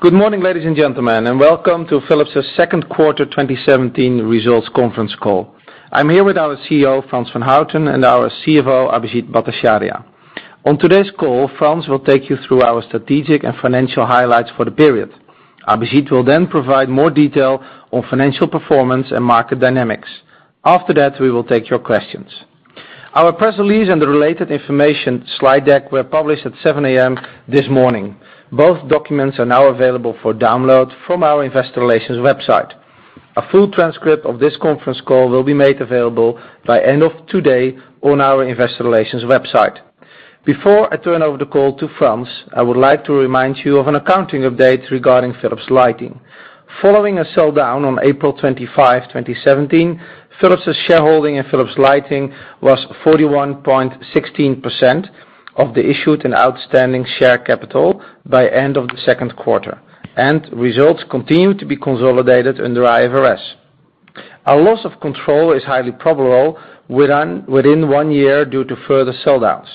Good morning, ladies and gentlemen, welcome to Philips' second quarter 2017 results conference call. I'm here with our CEO, Frans van Houten, and our CFO, Abhijit Bhattacharya. On today's call, Frans will take you through our strategic and financial highlights for the period. Abhijit will then provide more detail on financial performance and market dynamics. After that, we will take your questions. Our press release and the related information slide deck were published at 7:00 A.M. this morning. Both documents are now available for download from our investor relations website. A full transcript of this conference call will be made available by end of today on our investor relations website. Before I turn over the call to Frans, I would like to remind you of an accounting update regarding Philips Lighting. Following a sell down on April 25, 2017, Philips' shareholding in Philips Lighting was 41.16% of the issued and outstanding share capital by end of the second quarter, results continue to be consolidated under IFRS. A loss of control is highly probable within one year due to further sell downs.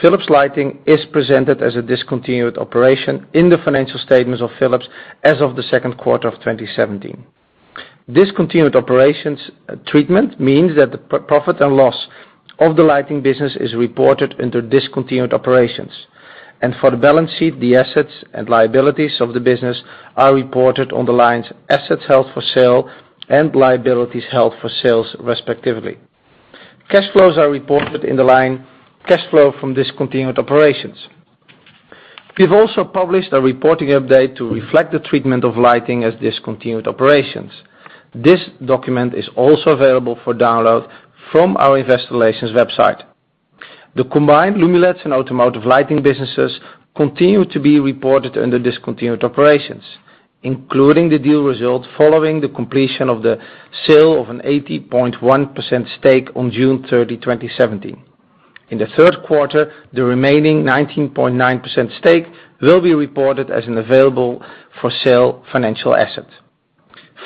Philips Lighting is presented as a discontinued operation in the financial statements of Philips as of the second quarter of 2017. Discontinued operations treatment means that the profit and loss of the lighting business is reported under discontinued operations. For the balance sheet, the assets and liabilities of the business are reported on the lines assets held for sale and liabilities held for sales, respectively. Cash flows are reported in the line cash flow from discontinued operations. We've also published a reporting update to reflect the treatment of lighting as discontinued operations. This document is also available for download from our investor relations website. The combined Lumileds and Automotive lighting businesses continue to be reported under discontinued operations, including the deal result following the completion of the sale of an 80.1% stake on June 30, 2017. In the third quarter, the remaining 19.9% stake will be reported as an available for sale financial asset.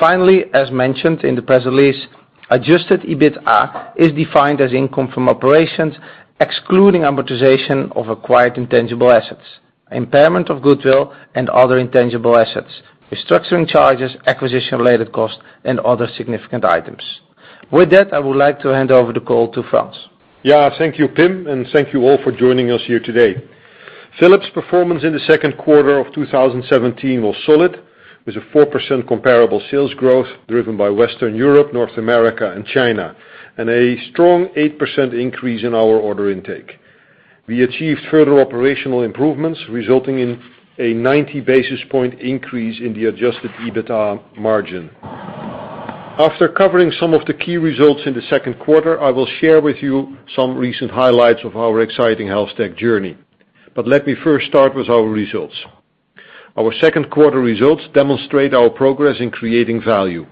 Finally, as mentioned in the press release, adjusted EBITDA is defined as income from operations, excluding amortization of acquired intangible assets, impairment of goodwill and other intangible assets, restructuring charges, acquisition-related costs, and other significant items. With that, I would like to hand over the call to Frans. Thank you, Pim, and thank you all for joining us here today. Philips performance in the second quarter of 2017 was solid, with a 4% comparable sales growth driven by Western Europe, North America, and China, and a strong 8% increase in our order intake. We achieved further operational improvements resulting in a 90 basis point increase in the adjusted EBITDA margin. After covering some of the key results in the second quarter, I will share with you some recent highlights of our exciting HealthTech journey. Let me first start with our results. Our second quarter results demonstrate our progress in creating value.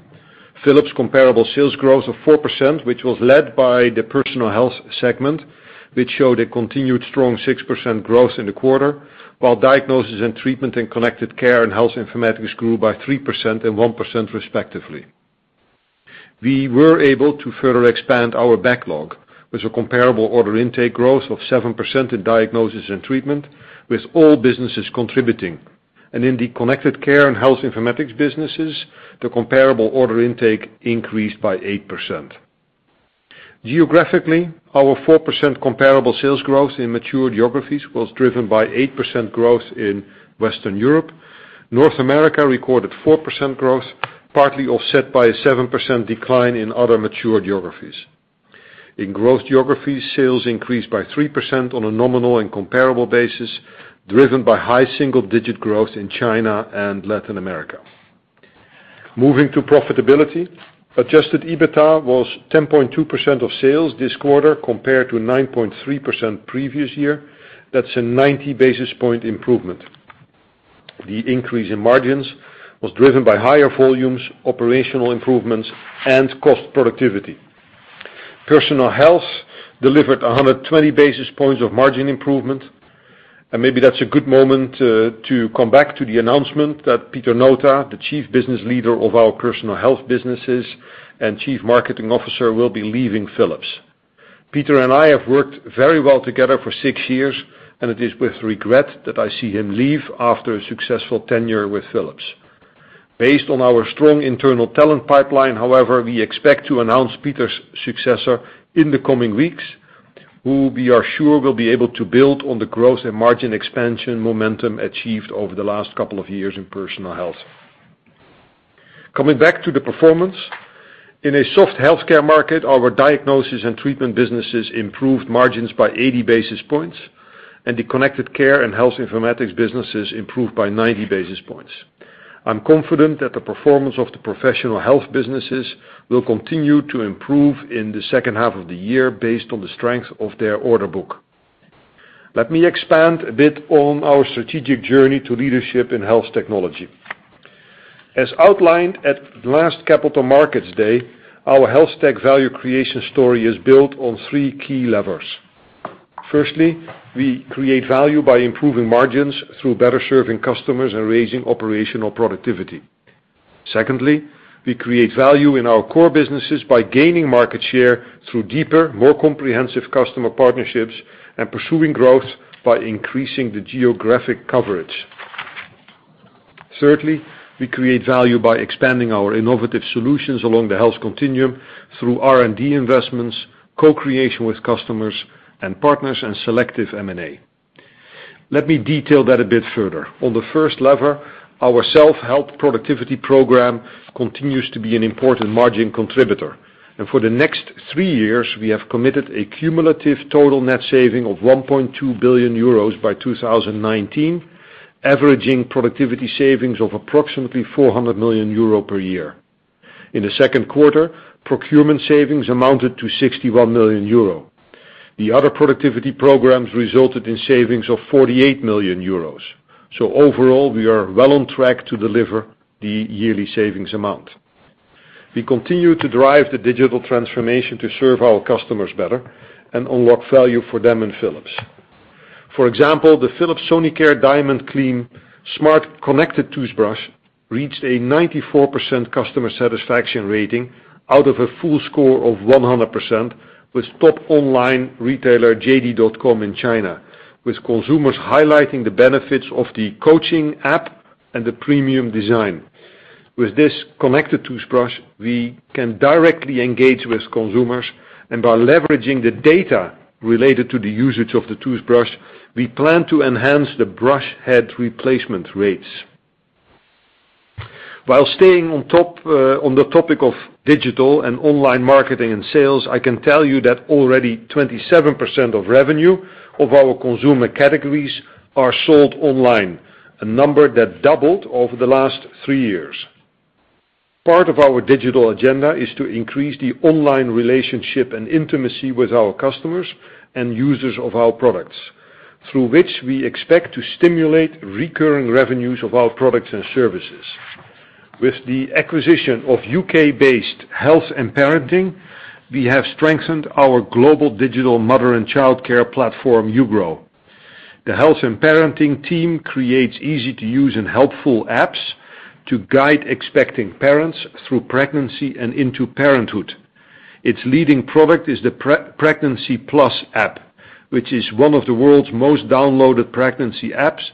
Philips comparable sales growth of 4%, which was led by the Personal Health segment, which showed a continued strong 6% growth in the quarter, while Diagnosis & Treatment and Connected Care & Health Informatics grew by 3% and 1% respectively. We were able to further expand our backlog with a comparable order intake growth of 7% in Diagnosis & Treatment, with all businesses contributing. In the Connected Care & Health Informatics businesses, the comparable order intake increased by 8%. Geographically, our 4% comparable sales growth in mature geographies was driven by 8% growth in Western Europe. North America recorded 4% growth, partly offset by a 7% decline in other mature geographies. In growth geographies, sales increased by 3% on a nominal and comparable basis, driven by high single-digit growth in China and Latin America. Moving to profitability, adjusted EBITDA was 10.2% of sales this quarter, compared to 9.3% previous year. That's a 90 basis point improvement. The increase in margins was driven by higher volumes, operational improvements, and cost productivity. Personal Health delivered 120 basis points of margin improvement. Maybe that's a good moment to come back to the announcement that Pieter Nota, the Chief Business Leader of our Personal Health businesses and Chief Marketing Officer, will be leaving Philips. Pieter and I have worked very well together for six years. It is with regret that I see him leave after a successful tenure with Philips. based on our strong internal talent pipeline, we expect to announce Pieter Nota's successor in the coming weeks, who we are sure will be able to build on the growth and margin expansion momentum achieved over the last couple of years in Personal Health. Coming back to the performance, in a soft healthcare market, our Diagnosis & Treatment businesses improved margins by 80 basis points, and the Connected Care & Health Informatics businesses improved by 90 basis points. I'm confident that the performance of the Professional Health businesses will continue to improve in the second half of the year based on the strength of their order book. Let me expand a bit on our strategic journey to leadership in health technology. As outlined at last Capital Markets Day, our HealthTech value creation story is built on three key levers. Firstly, we create value by improving margins through better serving customers and raising operational productivity. Secondly, we create value in our core businesses by gaining market share through deeper, more comprehensive customer partnerships and pursuing growth by increasing the geographic coverage. Thirdly, we create value by expanding our innovative solutions along the health continuum through R&D investments, co-creation with customers and partners, and selective M&A. Let me detail that a bit further. On the first lever, our self-help productivity program continues to be an important margin contributor. For the next three years, we have committed a cumulative total net saving of 1.2 billion euros by 2019, averaging productivity savings of approximately 400 million euro per year. In the second quarter, procurement savings amounted to 61 million euro. The other productivity programs resulted in savings of 48 million euros. Overall, we are well on track to deliver the yearly savings amount. We continue to drive the digital transformation to serve our customers better and unlock value for them and Philips. For example, the Philips Sonicare DiamondClean Smart connected toothbrush reached a 94% customer satisfaction rating out of a full score of 100% with top online retailer JD.com in China, with consumers highlighting the benefits of the coaching app and the premium design. With this connected toothbrush, we can directly engage with consumers, and by leveraging the data related to the usage of the toothbrush, we plan to enhance the brush head replacement rates. While staying on top on the topic of digital and online marketing and sales, I can tell you that already 27% of revenue of our consumer categories are sold online, a number that doubled over the last three years. Part of our digital agenda is to increase the online relationship and intimacy with our customers and users of our products, through which we expect to stimulate recurring revenues of our products and services. With the acquisition of U.K.-based Health & Parenting, we have strengthened our global digital mother and childcare platform uGrow. The Health & Parenting team creates easy-to-use and helpful apps to guide expecting parents through pregnancy and into parenthood. Its leading product is the Pregnancy+ app, which is one of the world's most downloaded pregnancy apps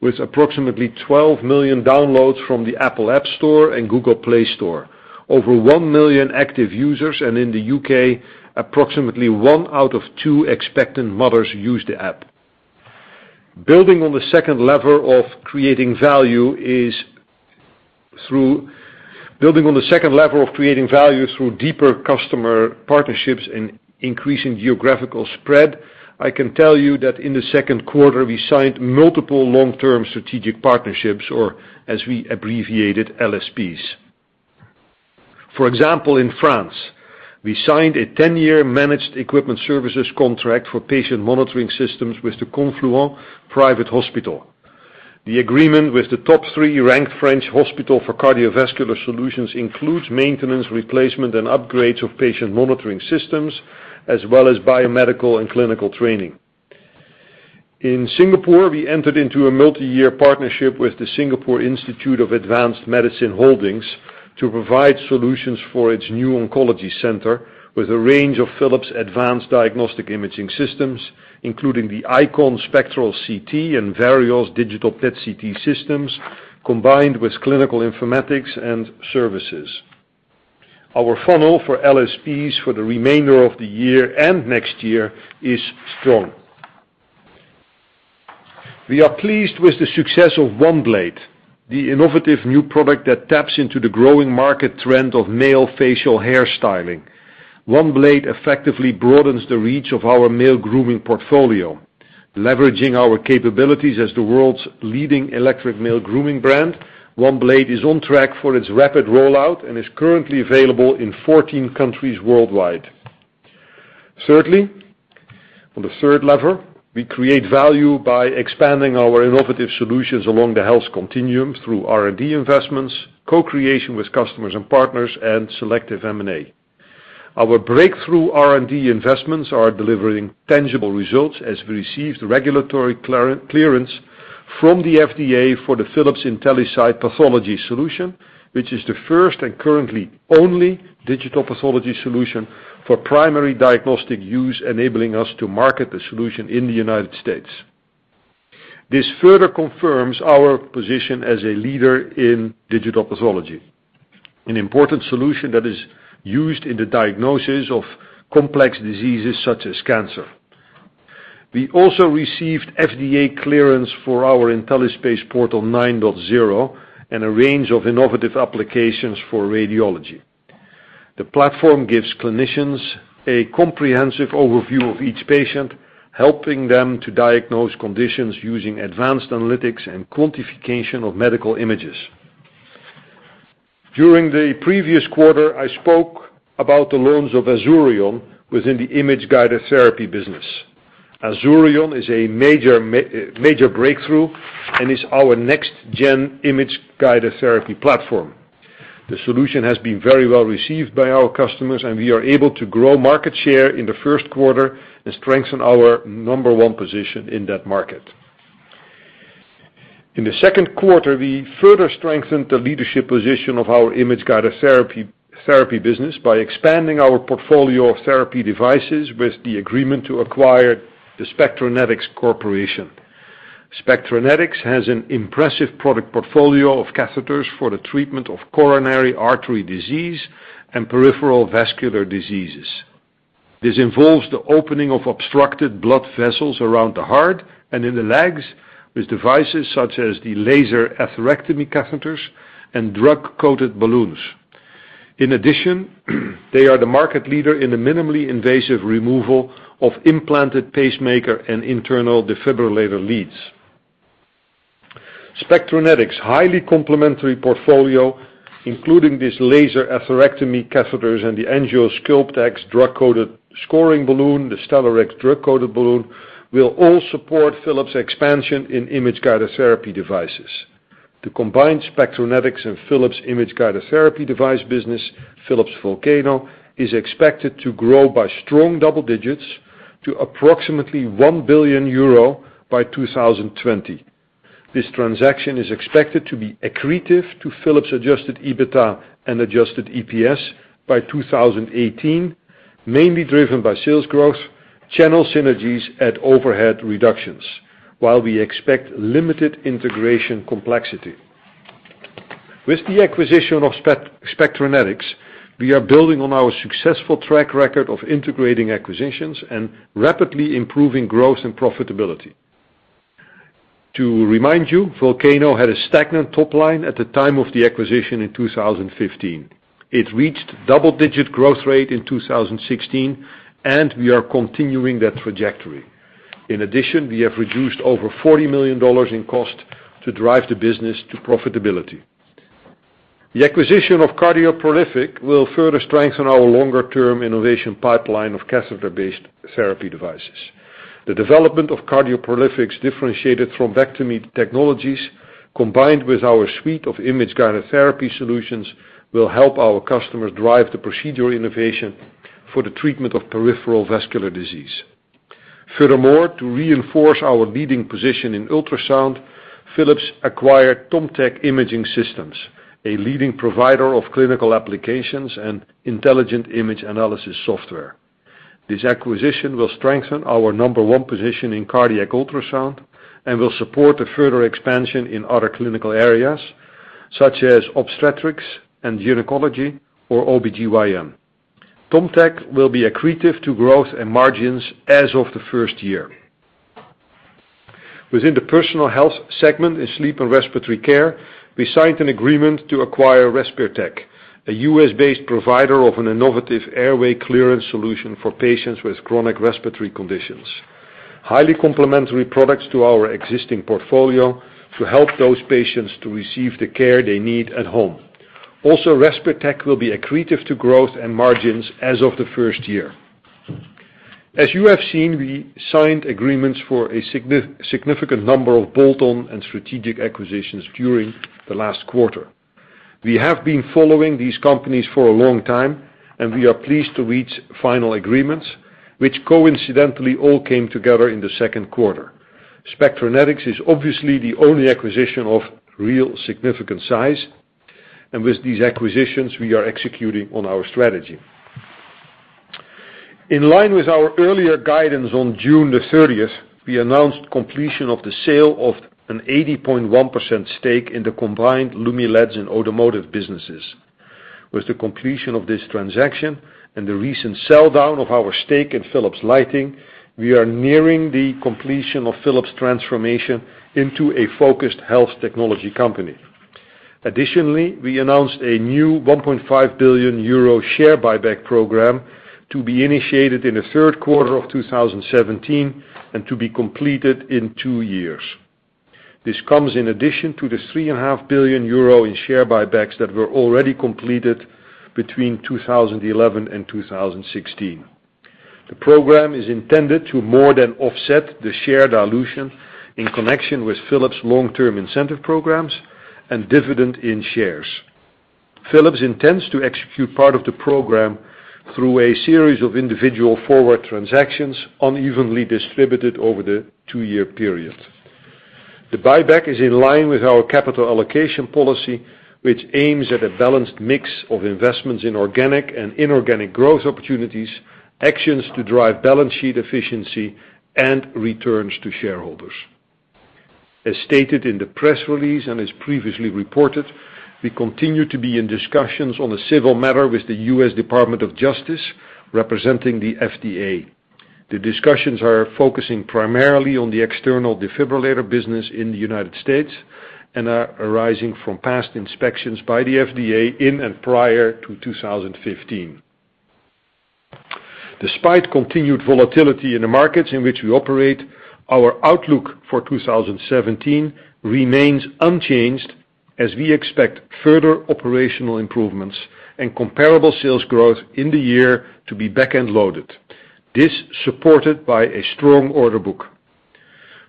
with approximately 12 million downloads from the Apple App Store and Google Play Store. Over 1 million active users, and in the U.K., approximately one out of two expectant mothers use the app. Building on the second lever of creating value through deeper customer partnerships and increasing geographical spread, I can tell you that in the second quarter, we signed multiple long-term strategic partnerships, or as we abbreviate it, LSPs. For example, in France, we signed a 10-year managed equipment services contract for patient monitoring systems with the Confluent private hospital. The agreement with the top three ranked French hospital for cardiovascular solutions includes maintenance, replacement, and upgrades of patient monitoring systems, as well as biomedical and clinical training. In Singapore, we entered into a multi-year partnership with the Singapore Institute of Advanced Medicine Holdings to provide solutions for its new oncology center with a range of Philips advanced diagnostic imaging systems, including the IQon Spectral CT and Vereos digital PET/CT systems, combined with clinical informatics and services. Our funnel for LSPs for the remainder of the year and next year is strong. We are pleased with the success of OneBlade, the innovative new product that taps into the growing market trend of male facial hair styling. OneBlade effectively broadens the reach of our male grooming portfolio. Leveraging our capabilities as the world's leading electric male grooming brand, OneBlade is on track for its rapid rollout and is currently available in 14 countries worldwide. On the third lever, we create value by expanding our innovative solutions along the health continuum through R&D investments, co-creation with customers and partners, and selective M&A. Our breakthrough R&D investments are delivering tangible results as we received regulatory clearance from the FDA for the Philips IntelliSite Pathology Solution, which is the first and currently only digital pathology solution for primary diagnostic use, enabling us to market the solution in the United States. This further confirms our position as a leader in digital pathology, an important solution that is used in the diagnosis of complex diseases such as cancer. We also received FDA clearance for our IntelliSpace Portal 9.0 and a range of innovative applications for radiology. The platform gives clinicians a comprehensive overview of each patient, helping them to diagnose conditions using advanced analytics and quantification of medical images. During the previous quarter, I spoke about the launch of Azurion within the image-guided therapy business. Azurion is a major breakthrough and is our next gen image-guided therapy platform. The solution has been very well received by our customers, and we are able to grow market share in the first quarter and strengthen our number one position in that market. In the second quarter, we further strengthened the leadership position of our Image Guided Therapy, therapy business by expanding our portfolio of therapy devices with the agreement to acquire The Spectranetics Corporation. Spectranetics has an impressive product portfolio of catheters for the treatment of coronary artery disease and peripheral vascular diseases. This involves the opening of obstructed blood vessels around the heart and in the legs with devices such as the laser atherectomy catheters and drug-coated balloons. In addition, they are the market leader in the minimally invasive removal of implanted pacemaker and internal defibrillator leads. Spectranetics' highly complementary portfolio, including these laser atherectomy catheters and the AngioSculpt drug-coated scoring balloon, the Stellarex drug-coated balloon, will all support Philips' expansion in image-guided therapy devices. The combined Spectranetics and Philips image-guided therapy device business, Philips Volcano, is expected to grow by strong double digits to approximately 1 billion euro by 2020. This transaction is expected to be accretive to Philips adjusted EBITDA and adjusted EPS by 2018, mainly driven by sales growth, channel synergies, and overhead reductions, while we expect limited integration complexity. With the acquisition of Spectranetics, we are building on our successful track record of integrating acquisitions and rapidly improving growth and profitability. To remind you, Volcano had a stagnant top line at the time of the acquisition in 2015. It reached double-digit growth rate in 2016. We are continuing that trajectory. In addition, we have reduced over $40 million in cost to drive the business to profitability. The acquisition of CardioProlific will further strengthen our longer-term innovation pipeline of catheter-based therapy devices. The development of CardioProlific's differentiated thrombectomy technologies, combined with our suite of image-guided therapy solutions, will help our customers drive the procedural innovation for the treatment of peripheral vascular disease. To reinforce our leading position in ultrasound, Philips acquired TomTec Imaging Systems, a leading provider of clinical applications and intelligent image analysis software. This acquisition will strengthen our number one position in cardiac ultrasound and will support a further expansion in other clinical areas, such as obstetrics and gynecology or OBGYN. TomTec will be accretive to growth and margins as of the first year. Within the Personal Health segment in sleep and respiratory care, we signed an agreement to acquire RespirTech, a U.S.-based provider of an innovative airway clearance solution for patients with chronic respiratory conditions. Highly complementary products to our existing portfolio to help those patients to receive the care they need at home. RespirTech will be accretive to growth and margins as of the first year. As you have seen, we signed agreements for a significant number of bolt-on and strategic acquisitions during the last quarter. We have been following these companies for a long time, and we are pleased to reach final agreements, which coincidentally all came together in the second quarter. Spectranetics is obviously the only acquisition of real significant size. With these acquisitions, we are executing on our strategy. In line with our earlier guidance on June 30th, we announced completion of the sale of an 80.1% stake in the combined Lumileds and automotive businesses. With the completion of this transaction and the recent sell-down of our stake in Philips Lighting, we are nearing the completion of Philips' transformation into a focused health technology company. Additionally, we announced a new 1.5 billion euro share buyback program to be initiated in the third quarter of 2017 and to be completed in two years. This comes in addition to the 3.5 billion euro in share buybacks that were already completed between 2011 and 2016. The program is intended to more than offset the share dilution in connection with Philips' long-term incentive programs and dividend in shares. Philips intends to execute part of the program through a series of individual forward transactions unevenly distributed over the two-year period. The buyback is in line with our capital allocation policy, which aims at a balanced mix of investments in organic and inorganic growth opportunities, actions to drive balance sheet efficiency, and returns to shareholders. As stated in the press release and as previously reported, we continue to be in discussions on a civil matter with the U.S. Department of Justice, representing the FDA. The discussions are focusing primarily on the external defibrillator business in the United States and are arising from past inspections by the FDA in and prior to 2015. Despite continued volatility in the markets in which we operate, our outlook for 2017 remains unchanged as we expect further operational improvements and comparable sales growth in the year to be back-end loaded. This is supported by a strong order book.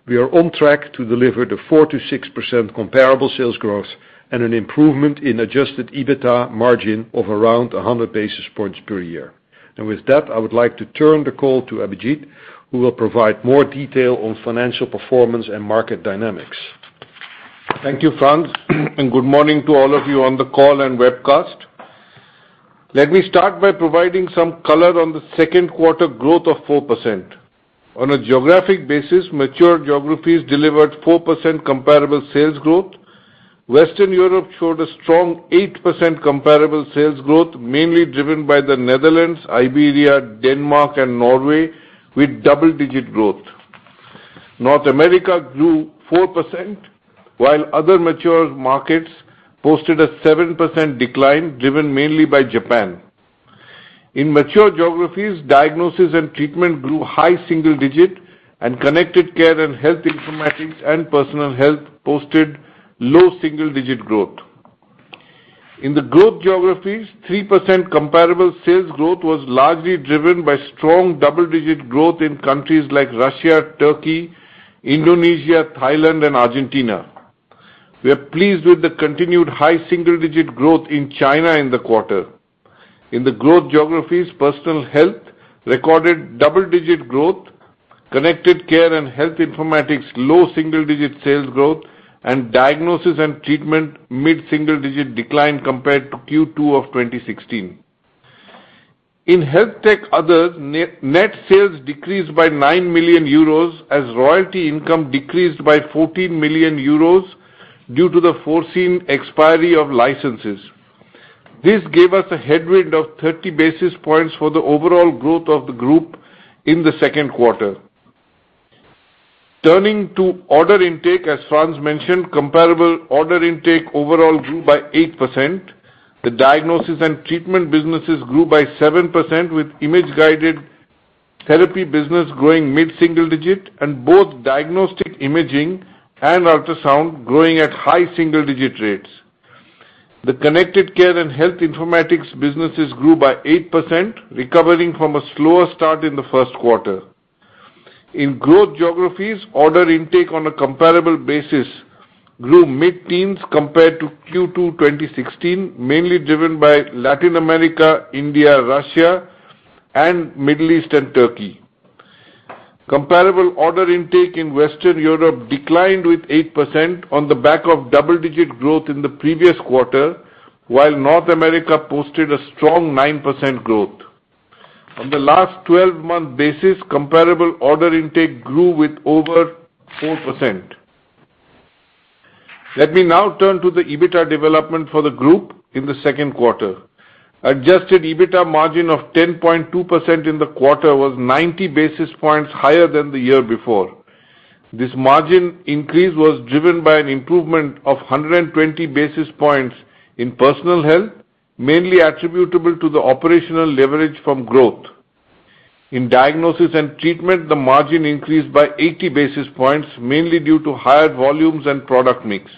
We are on track to deliver the 4%-6% comparable sales growth and an improvement in adjusted EBITDA margin of around 100 basis points per year. With that, I would like to turn the call to Abhijit, who will provide more detail on financial performance and market dynamics. Good morning to all of you on the call and webcast. Let me start by providing some color on the second quarter growth of 4%. On a geographic basis, mature geographies delivered 4% comparable sales growth. Western Europe showed a strong 8% comparable sales growth, mainly driven by the Netherlands, Iberia, Denmark, and Norway, with double-digit growth. North America grew 4%, while other mature markets posted a 7% decline, driven mainly by Japan. In mature geographies, Diagnosis & Treatment grew high single digit, and Connected Care & Health Informatics and Personal Health posted low single-digit growth. In the growth geographies, 3% comparable sales growth was largely driven by strong double-digit growth in countries like Russia, Turkey, Indonesia, Thailand, and Argentina. We are pleased with the continued high single-digit growth in China in the quarter. In the growth geographies, Personal Health recorded double-digit growth, Connected Care & Health Informatics low single-digit sales growth, and Diagnosis & Treatment mid-single digit decline compared to Q2 of 2016. In HealthTech other, net sales decreased by 9 million euros as royalty income decreased by 14 million euros due to the foreseen expiry of licenses. This gave us a headwind of 30 basis points for the overall growth of the group in the second quarter. Turning to order intake, as Frans mentioned, comparable order intake overall grew by 8%. The Diagnosis & Treatment businesses grew by 7%, with Image Guided Therapy business growing mid-single digit, and both Diagnostic Imaging and Ultrasound growing at high single-digit rates. The Connected Care & Health Informatics businesses grew by 8%, recovering from a slower start in the first quarter. In growth geographies, order intake on a comparable basis grew mid-teens compared to Q2 2016, mainly driven by Latin America, India, Russia, and Middle East and Turkey. Comparable order intake in Western Europe declined with 8% on the back of double-digit growth in the previous quarter, while North America posted a strong 9% growth. On the last 12-month basis, comparable order intake grew with over 4%. Let me now turn to the EBITDA development for the group in the second quarter. adjusted EBITDA margin of 10.2% in the quarter was 90 basis points higher than the year before. This margin increase was driven by an improvement of 120 basis points in Personal Health, mainly attributable to the operational leverage from growth. In Diagnosis & Treatment, the margin increased by 80 basis points, mainly due to higher volumes and product mix.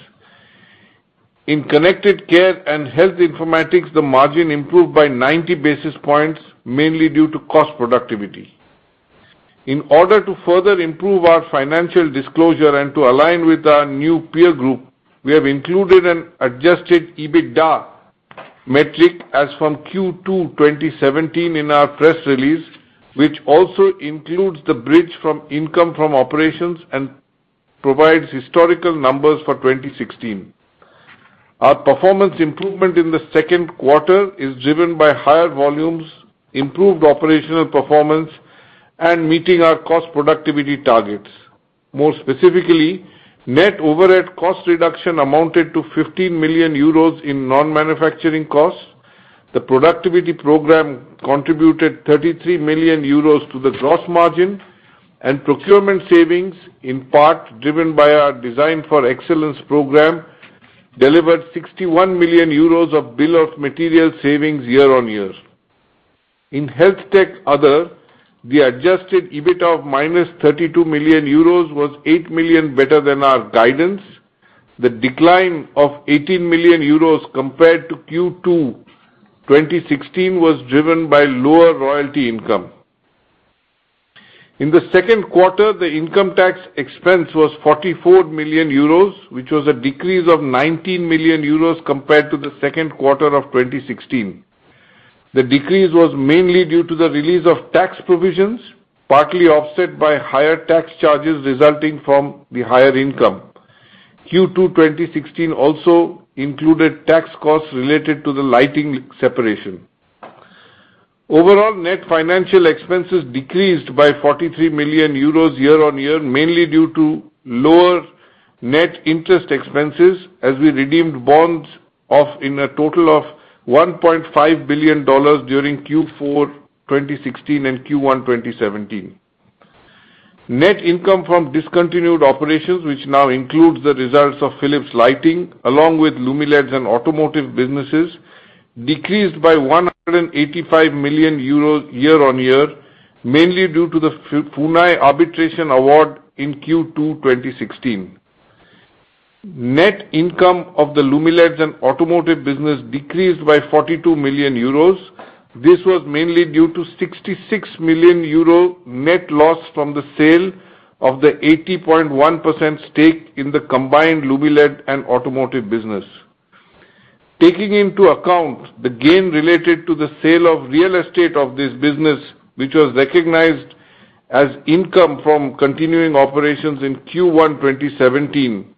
In Connected Care & Health Informatics, the margin improved by 90 basis points, mainly due to cost productivity. In order to further improve our financial disclosure and to align with our new peer group, we have included an adjusted EBITDA metric as from Q2 2017 in our press release, which also includes the bridge from income from operations and provides historical numbers for 2016. Our performance improvement in the second quarter is driven by higher volumes, improved operational performance, and meeting our cost productivity targets. More specifically, net overhead cost reduction amounted to 15 million euros in non-manufacturing costs. The productivity program contributed 33 million euros to the gross margin, and procurement savings, in part driven by our Design for Excellence program, delivered 61 million euros of bill of material savings year-on-year. In HealthTech other, the adjusted EBITDA of -32 million euros was 8 million better than our guidance. The decline of 18 million euros compared to Q2 2016 was driven by lower royalty income. In the second quarter, the income tax expense was 44 million euros, which was a decrease of 19 million euros compared to the second quarter of 2016. The decrease was mainly due to the release of tax provisions, partly offset by higher tax charges resulting from the higher income. Q2 2016 also included tax costs related to the lighting separation. Overall, net financial expenses decreased by 43 million euros year-on-year, mainly due to lower net interest expenses as we redeemed bonds of, in a total of $1.5 billion during Q4 2016 and Q1 2017. Net income from discontinued operations, which now includes the results of Philips Lighting, along with Lumileds and Automotive businesses, decreased by 185 million euros year-on-year, mainly due to the Funai arbitration award in Q2 2016. Net income of the Lumileds and Automotive business decreased by 42 million euros. This was mainly due to 66 million euro net loss from the sale of the 80.1% stake in the combined Lumileds and Automotive business. Taking into account the gain related to the sale of real estate of this business, which was recognized as income from continuing operations in Q1 2017,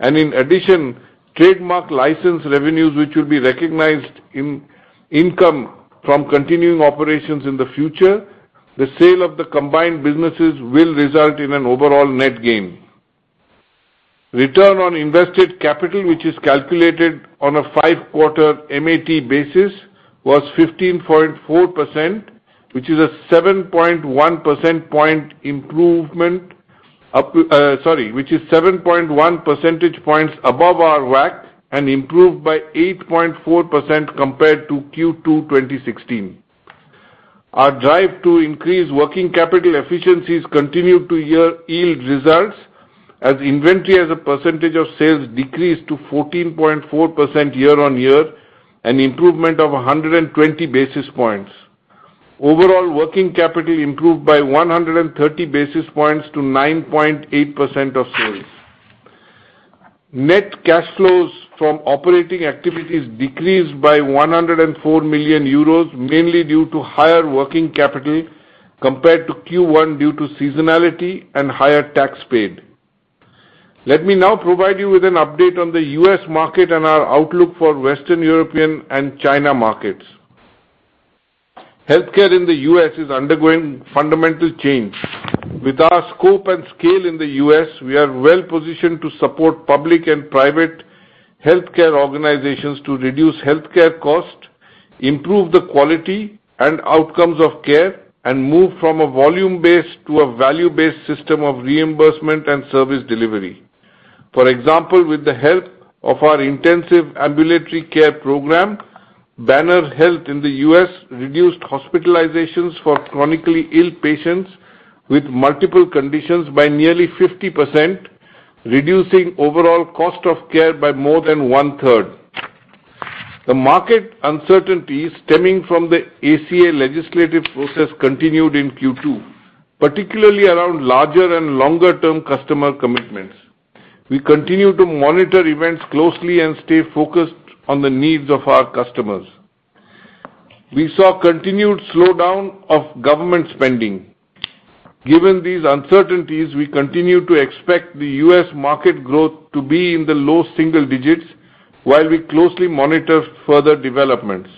and in addition, trademark license revenues, which will be recognized in income from continuing operations in the future, the sale of the combined businesses will result in an overall net gain. Return on invested capital, which is calculated on a five-quarter MAT basis, was 15.4%. Which is 7.1 percentage points above our WACC and improved by 8.4% compared to Q2 2016. Our drive to increase working capital efficiencies continued to yield results as inventory as a percentage of sales decreased to 14.4% year-on-year, an improvement of 120 basis points. Overall, working capital improved by 130 basis points to 9.8% of sales. Net cash flows from operating activities decreased by 104 million euros, mainly due to higher working capital compared to Q1 due to seasonality and higher tax paid. Let me now provide you with an update on the U.S. market and our outlook for Western European and China markets. Healthcare in the U.S. is undergoing fundamental change. With our scope and scale in the U.S., we are well-positioned to support public and private healthcare organizations to reduce healthcare costs, improve the quality and outcomes of care, and move from a volume-based to a value-based system of reimbursement and service delivery. For example, with the help of our intensive ambulatory care program, Banner Health in the U.S. reduced hospitalizations for chronically ill patients with multiple conditions by nearly 50%, reducing overall cost of care by more than one-third. The market uncertainties stemming from the ACA legislative process continued in Q2, particularly around larger and longer-term customer commitments. We continue to monitor events closely and stay focused on the needs of our customers. We saw continued slowdown of government spending. Given these uncertainties, we continue to expect the U.S. market growth to be in the low single-digit while we closely monitor further developments.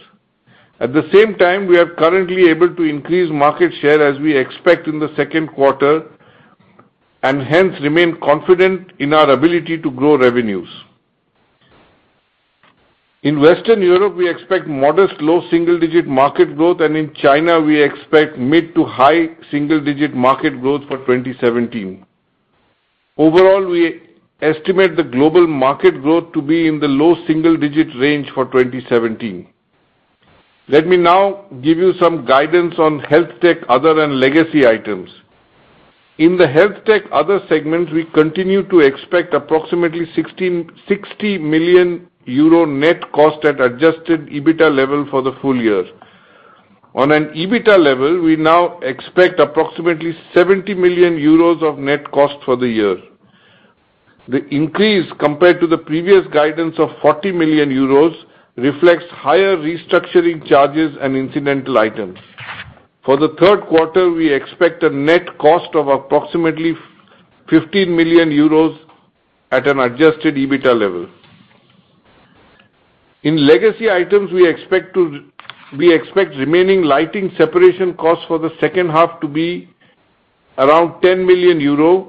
At the same time, we are currently able to increase market share as we expect in the second quarter and hence remain confident in our ability to grow revenues. In Western Europe, we expect modest low double-digit market growth, and in China, we expect mid-to-high single-digit market growth for 2017. Overall, we estimate the global market growth to be in the low single-digit range for 2017. Let me now give you some guidance on HealthTech, Other, and Legacy Items. In the HealthTech Other segments, we continue to expect approximately 60 million euro net cost at adjusted EBITDA level for the full year. On an EBITDA level, we now expect approximately 70 million euros of net cost for the year. The increase compared to the previous guidance of 40 million euros reflects higher restructuring charges and incidental items. For the third quarter, we expect a net cost of approximately 15 million euros at an adjusted EBITDA level. In Legacy Items, we expect remaining lighting separation costs for the second half to be around 10 million euro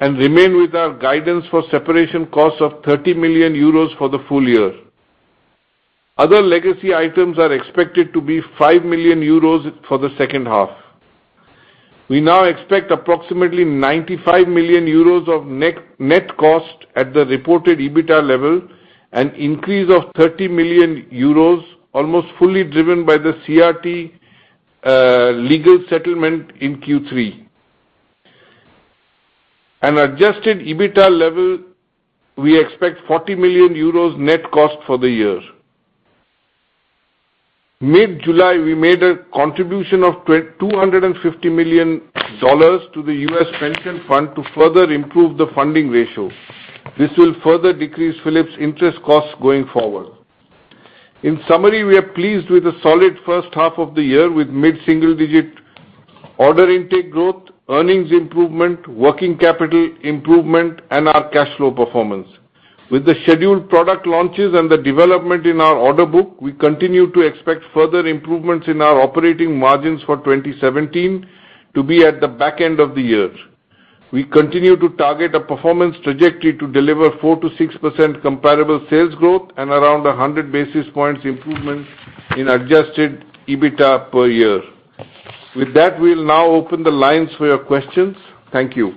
and remain with our guidance for separation costs of 30 million euros for the full year. Other Legacy Items are expected to be 5 million euros for the second half. We now expect approximately 95 million euros of net cost at the reported EBITDA level, an increase of 30 million euros, almost fully driven by the CRT legal settlement in Q3. At adjusted EBITDA level, we expect 40 million euros net cost for the year. Mid-July, we made a contribution of $250 million to the U.S. pension fund to further improve the funding ratio. This will further decrease Philips' interest costs going forward. In summary, we are pleased with the solid first half of the year with mid-single-digit order intake growth, earnings improvement, working capital improvement, and our cash flow performance. With the scheduled product launches and the development in our order book, we continue to expect further improvements in our operating margins for 2017 to be at the back end of the year. We continue to target a performance trajectory to deliver 4%-6% comparable sales growth and around 100 basis points improvement in adjusted EBITDA per year. With that, we'll now open the lines for your questions. Thank you.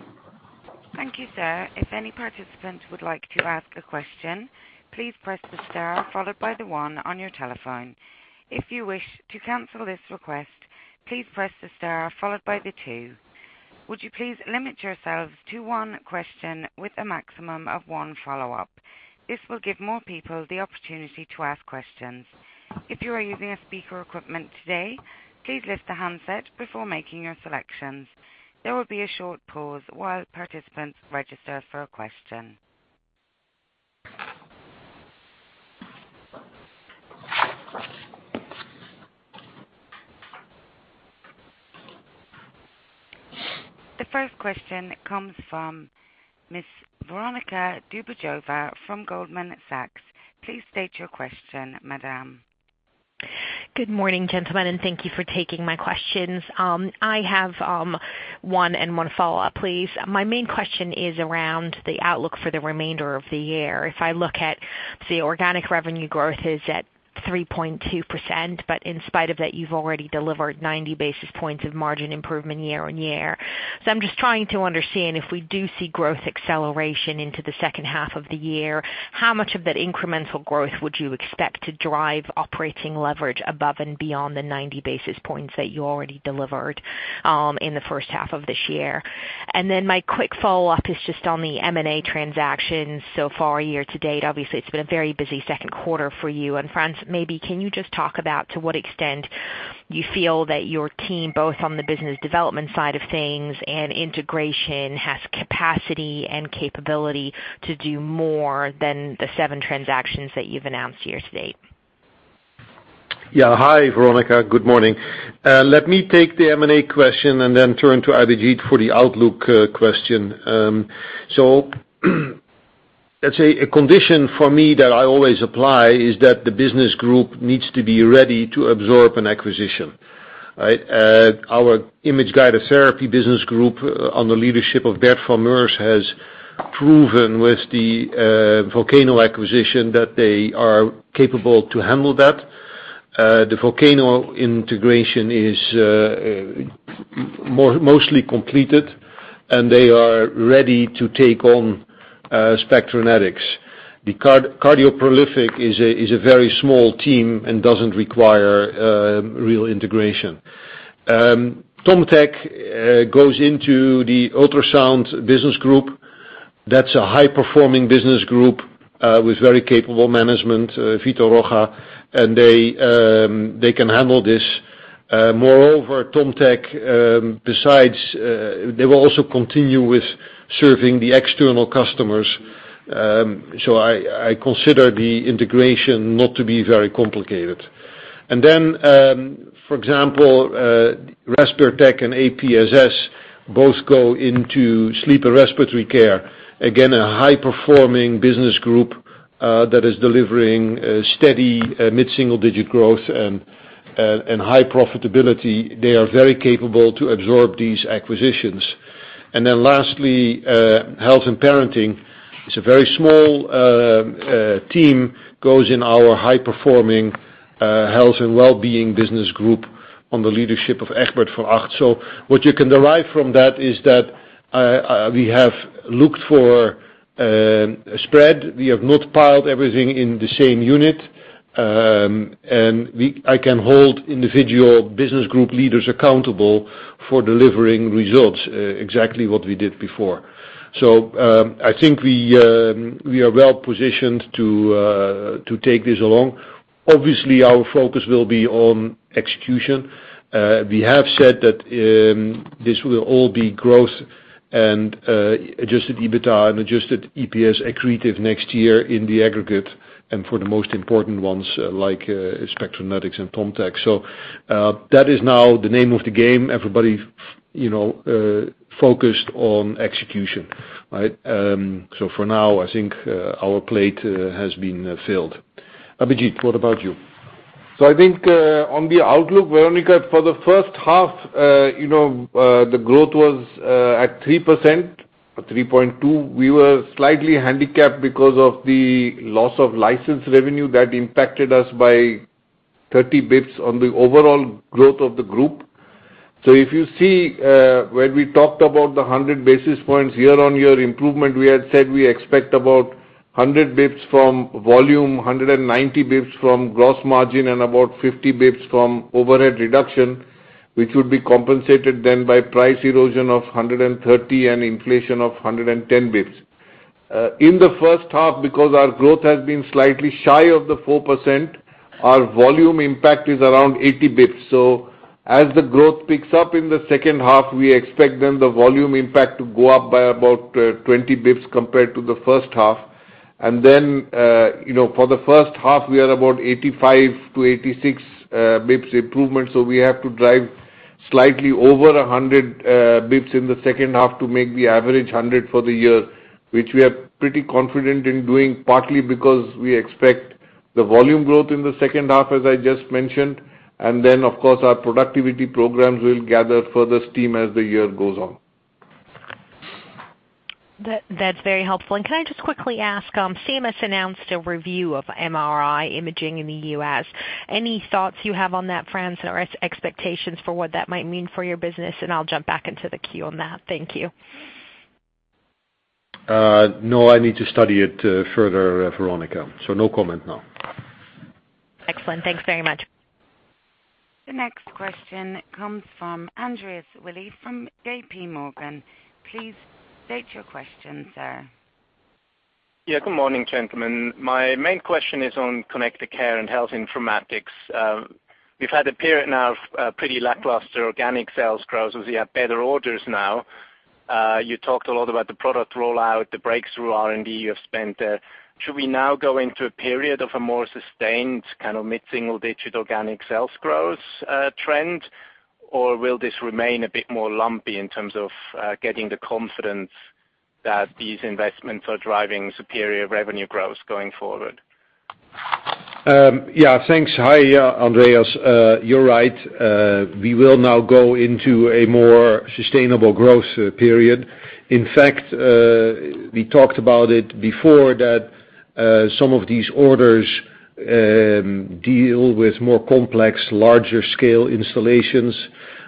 Thank you, sir. If any participants would like to ask a question, please press the star followed by the one on your telephone. If you wish to cancel this request, please press the star followed by the two. Would you please limit yourselves to one question with a maximum of one follow-up? This will give more people the opportunity to ask questions. If you are using a speaker equipment today, please lift the handset before making your selections. There will be a short pause while participants register for a question. The first question comes from Ms. Veronika Dubajova from Goldman Sachs. Please state your question, madam. Good morning, gentlemen. Thank you for taking my questions. I have one and one follow-up, please. My main question is around the outlook for the remainder of the year. If I look at the organic revenue growth is at 3.2%. In spite of that, you've already delivered 90 basis points of margin improvement year-on-year. I'm just trying to understand if we do see growth acceleration into the second half of the year, how much of that incremental growth would you expect to drive operating leverage above and beyond the 90 basis points that you already delivered in the first half of this year? My quick follow-up is just on the M&A transactions so far year-to-date. Obviously, it's been a very busy second quarter for you and Frans, maybe can you just talk about to what extent you feel that your team, both on the business development side of things and integration, has capacity and capability to do more than the seven transactions that you've announced year-to-date? Yeah. Hi, Veronika. Good morning. Let me take the M&A question and then turn to Abhijit for the outlook question. A condition for me that I always apply is that the business group needs to be ready to absorb an acquisition, right? Our Image Guided Therapy business group on the leadership of Bert van Meurs has proven with the Volcano acquisition that they are capable to handle that. The Volcano integration is mostly completed, and they are ready to take on Spectranetics. The CardioProlific is a very small team and doesn't require real integration. Tomtec goes into the ultrasound business group. That's a high-performing business group with very capable management, Vitor Rocha, and they can handle this. Moreover, TomTec, they will also continue with serving the external customers. I consider the integration not to be very complicated. For example, RespirTech and APSS both go into sleep and respiratory care. Again, a high-performing business group that is delivering steady mid-single-digit growth and high profitability. They are very capable to absorb these acquisitions. Lastly, Health & Parenting is a very small team, goes in our high-performing health and wellbeing business group on the leadership of Egbert van Acht. What you can derive from that is that we have looked for spread. We have not piled everything in the same unit. We can hold individual business group leaders accountable for delivering results exactly what we did before. I think we are well-positioned to take this along. Our focus will be on execution. We have said that this will all be growth and adjusted EBITDA and adjusted EPS accretive next year in the aggregate and for the most important ones, like Spectranetics and TomTec. That is now the name of the game. Everybody, you know, focused on execution, right? For now, I think our plate has been filled. Abhijit, what about you? I think, on the outlook, Veronika, for the first half, the growth was at 3% or 3.2%. We were slightly handicapped because of the loss of license revenue that impacted us by 30 basis points on the overall growth of the group. If you see, when we talked about the 100 basis points year-on-year improvement, we had said we expect about 100 basis points from volume, 190 basis points from gross margin and about 50 basis points from overhead reduction, which would be compensated then by price erosion of 130 basis points and inflation of 110 basis points. In the first half, because our growth has been slightly shy of the 4%, our volume impact is around 80 basis points. As the growth picks up in the second half, we expect then the volume impact to go up by about 20 basis points compared to the first half. Then, you know, for the first half, we are about 85 to 86 basis points improvement, so we have to drive slightly over 100 basis points in the second half to make the average 100 for the year, which we are pretty confident in doing, partly because we expect the volume growth in the second half, as I just mentioned. Then, of course, our productivity programs will gather further steam as the year goes on. That's very helpful. Can I just quickly ask, CMS announced a review of MRI imaging in the U.S. Any thoughts you have on that, Frans, or expectations for what that might mean for your business? I'll jump back into the queue on that. Thank you. No, I need to study it, further, Veronika. No comment now. Excellent. Thanks very much. The next question comes from Andreas Willi from JPMorgan. Please state your question, sir. Yeah. Good morning, gentlemen. My main question is on Connected Care & Health Informatics. We've had a period now of pretty lackluster organic sales growth as we have better orders now. You talked a lot about the product rollout, the breakthrough R&D you have spent. Should we now go into a period of a more sustained kind of mid-single digit organic sales growth trend? Will this remain a bit more lumpy in terms of getting the confidence that these investments are driving superior revenue growth going forward? Thanks. Hi, Andreas. You're right. We will now go into a more sustainable growth period. In fact, we talked about it before that some of these orders deal with more complex, larger scale installations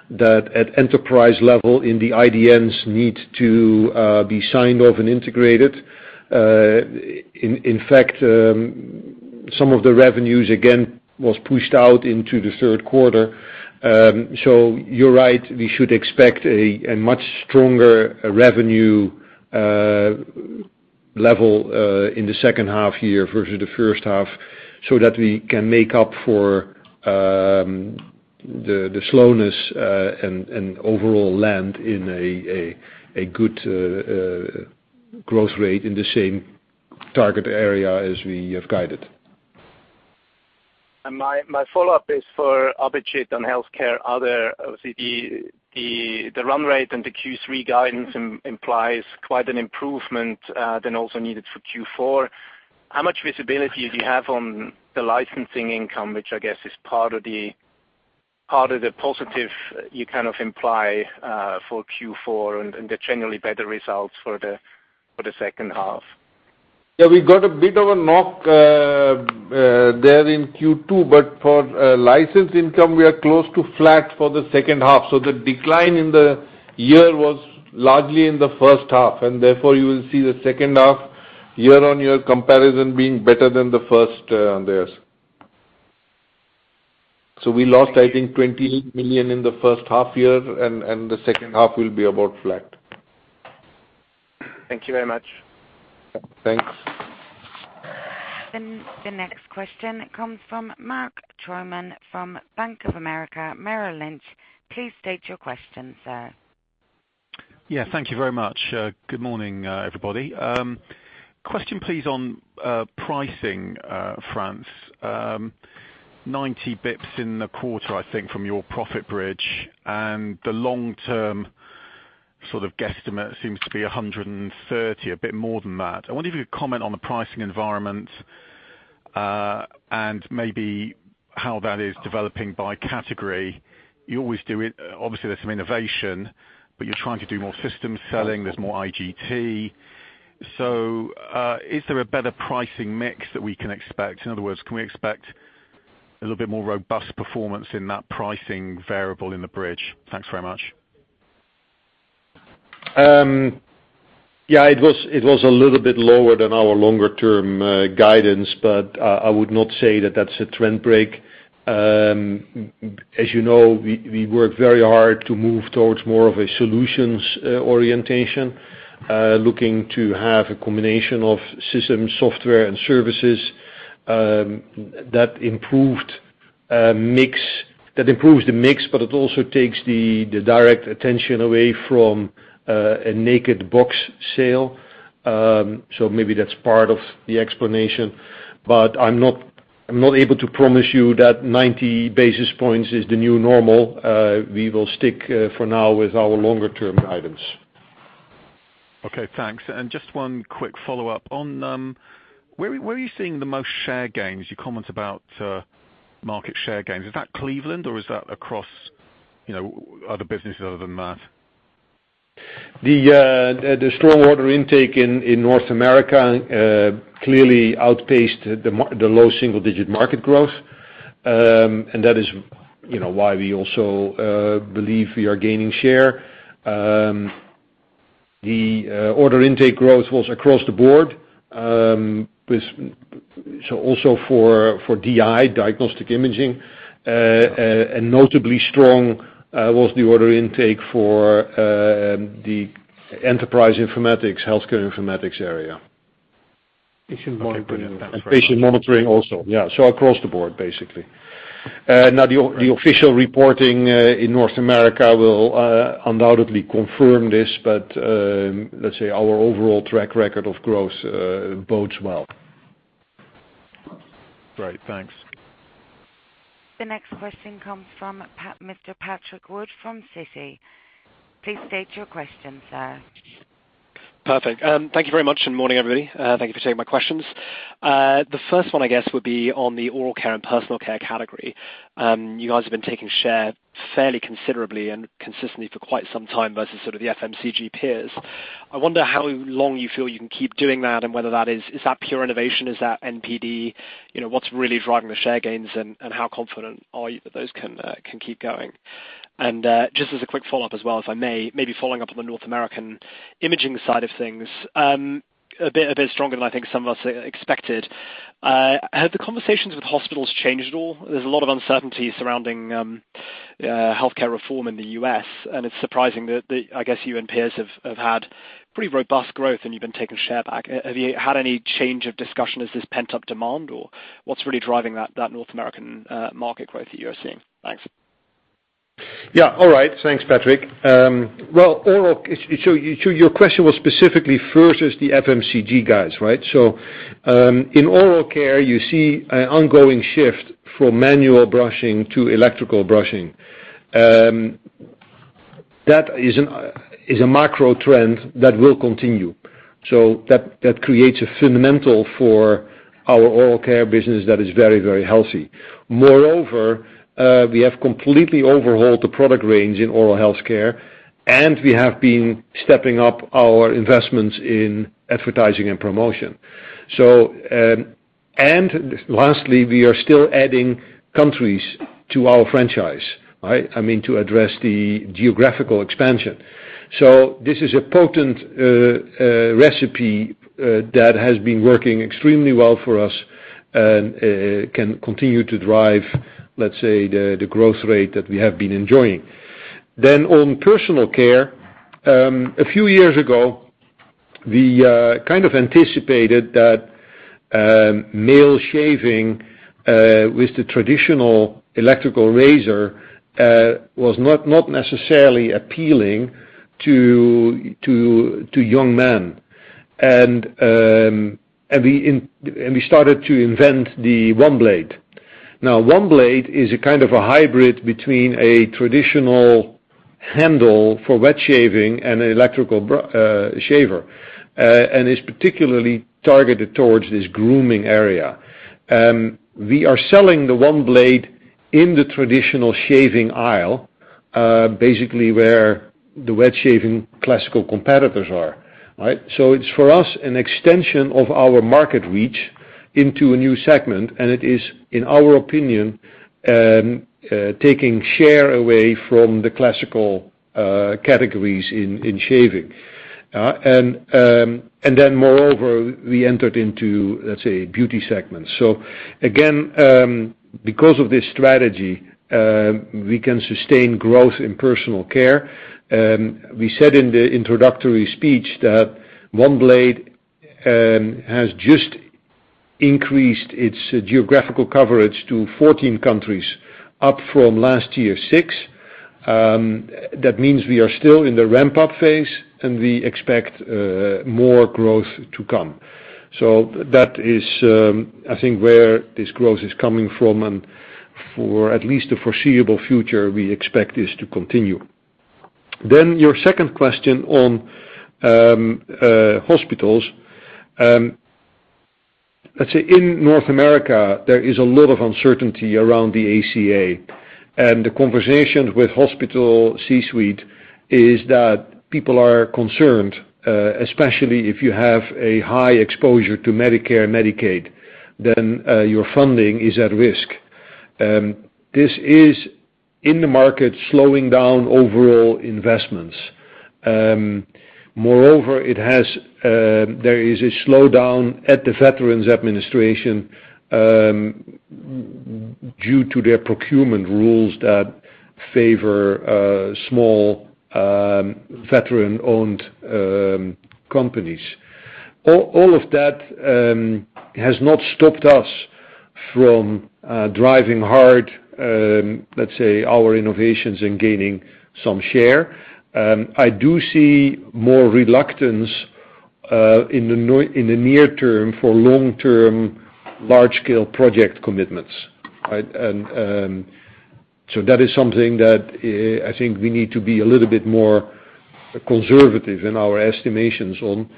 that at enterprise level in the IDNs need to be signed off and integrated. In fact, some of the revenues, again, was pushed out into the third quarter. You're right, we should expect a much stronger revenue level in the second half year versus the first half so that we can make up for the slowness and overall land in a good growth rate in the same target area as we have guided. My follow-up is for Abhijit on healthcare, other. Obviously, the run rate and the Q3 guidance implies quite an improvement than also needed for Q4. How much visibility do you have on the licensing income, which I guess is part of the positive you kind of imply for Q4 and the generally better results for the second half? Yeah. We got a bit of a knock, there in Q2. For license income, we are close to flat for the second half. The decline in the year was largely in the first half, and therefore you will see the second half year-over-year comparison being better than the first, Andreas. We lost, I think, 20 million in the first half year, the second half will be about flat. Thank you very much. Thanks. The next question comes from Mark Troman from Bank of America Merrill Lynch. Please state your question, sir. Yeah. Thank you very much. Good morning, everybody. Question please on pricing, Frans. 90 basis points in the quarter, I think, from your profit bridge. The long term sort of guesstimate seems to be 130, a bit more than that. I wonder if you could comment on the pricing environment. Maybe how that is developing by category. You always do it. Obviously, there's some innovation, but you're trying to do more system selling. There's more IGT. Is there a better pricing mix that we can expect? In other words, can we expect a little bit more robust performance in that pricing variable in the bridge? Thanks very much. Yeah. It was a little bit lower than our longer term guidance, I would not say that that's a trend break. As you know, we work very hard to move towards more of a solutions orientation, looking to have a combination of systems, software and services, that improved mix. That improves the mix, it also takes the direct attention away from a naked box sale. Maybe that's part of the explanation, I'm not able to promise you that 90 basis points is the new normal. We will stick for now with our longer term items. Okay, thanks. Just one quick follow-up. On, where are you seeing the most share gains? You comment about market share gains. Is that Cleveland, or is that across, you know, other businesses other than that? The strong order intake in North America clearly outpaced the low single-digit market growth. That is, you know, why we also believe we are gaining share. The order intake growth was across the board with also for DI, diagnostic imaging, and notably strong was the order intake for the enterprise informatics, healthcare informatics area. Patient monitoring. Patient monitoring also. Yeah. Across the board, basically. The official reporting in North America will undoubtedly confirm this, but let's say our overall track record of growth bodes well. Great. Thanks. The next question comes from Pat, Mr. Patrick Wood from Citi. Please state your question, sir. Perfect. Thank you very much. Morning, everybody. Thank you for taking my questions. The first one, I guess, would be on the oral care and Personal Health category. You guys have been taking share fairly considerably and consistently for quite some time versus sort of the FMCG peers. I wonder how long you feel you can keep doing that and whether that is that pure innovation? Is that NPD? You know, what's really driving the share gains and how confident are you that those can keep going? Just as a quick follow-up as well, if I may, maybe following up on the North American imaging side of things. A bit stronger than I think some of us expected. Have the conversations with hospitals changed at all? There's a lot of uncertainty surrounding healthcare reform in the U.S., and it's surprising that, I guess, you and peers have had Pretty robust growth, and you've been taking share back. Have you had any change of discussion? Is this pent-up demand or what's really driving that North American market growth that you're seeing? Thanks. Yeah. All right. Thanks, Patrick. Well, your question was specifically versus the FMCG guys, right? In oral care, you see an ongoing shift from manual brushing to electrical brushing. That is a macro trend that will continue. That creates a fundamental for our oral care business that is very, very healthy. Moreover, we have completely overhauled the product range in oral health care, and we have been stepping up our investments in advertising and promotion. Lastly, we are still adding countries to our franchise, right? I mean, to address the geographical expansion. This is a potent recipe that has been working extremely well for us, can continue to drive, let's say, the growth rate that we have been enjoying. On Personal Health, a few years ago, we kind of anticipated that male shaving with the traditional electrical razor was not necessarily appealing to young men. We started to invent the OneBlade. OneBlade is a kind of a hybrid between a traditional handle for wet shaving and an electrical shaver and is particularly targeted towards this grooming area. We are selling the OneBlade in the traditional shaving aisle, basically where the wet shaving classical competitors are, right? It's for us, an extension of our market reach into a new segment, and it is, in our opinion, taking share away from the classical categories in shaving. Moreover, we entered into, let's say, beauty segments. Because of this strategy, we can sustain growth in Personal Health. We said in the introductory speech that OneBlade has just increased its geographical coverage to 14 countries, up from last year, six. That means we are still in the ramp-up phase, and we expect more growth to come. That is, I think, where this growth is coming from, and for at least the foreseeable future, we expect this to continue. Your second question on hospitals. Let's say in North America, there is a lot of uncertainty around the ACA, and the conversation with hospital C-suite is that people are concerned, especially if you have a high exposure to Medicare and Medicaid, then your funding is at risk. This is in the market, slowing down overall investments. Moreover, it has, there is a slowdown at the Veterans Administration, due to their procurement rules that favor small, veteran-owned companies. All of that has not stopped us from driving hard, let's say, our innovations in gaining some share. I do see more reluctance in the near term for long-term, large-scale project commitments, right? That is something that I think we need to be a little bit more conservative in our estimations on,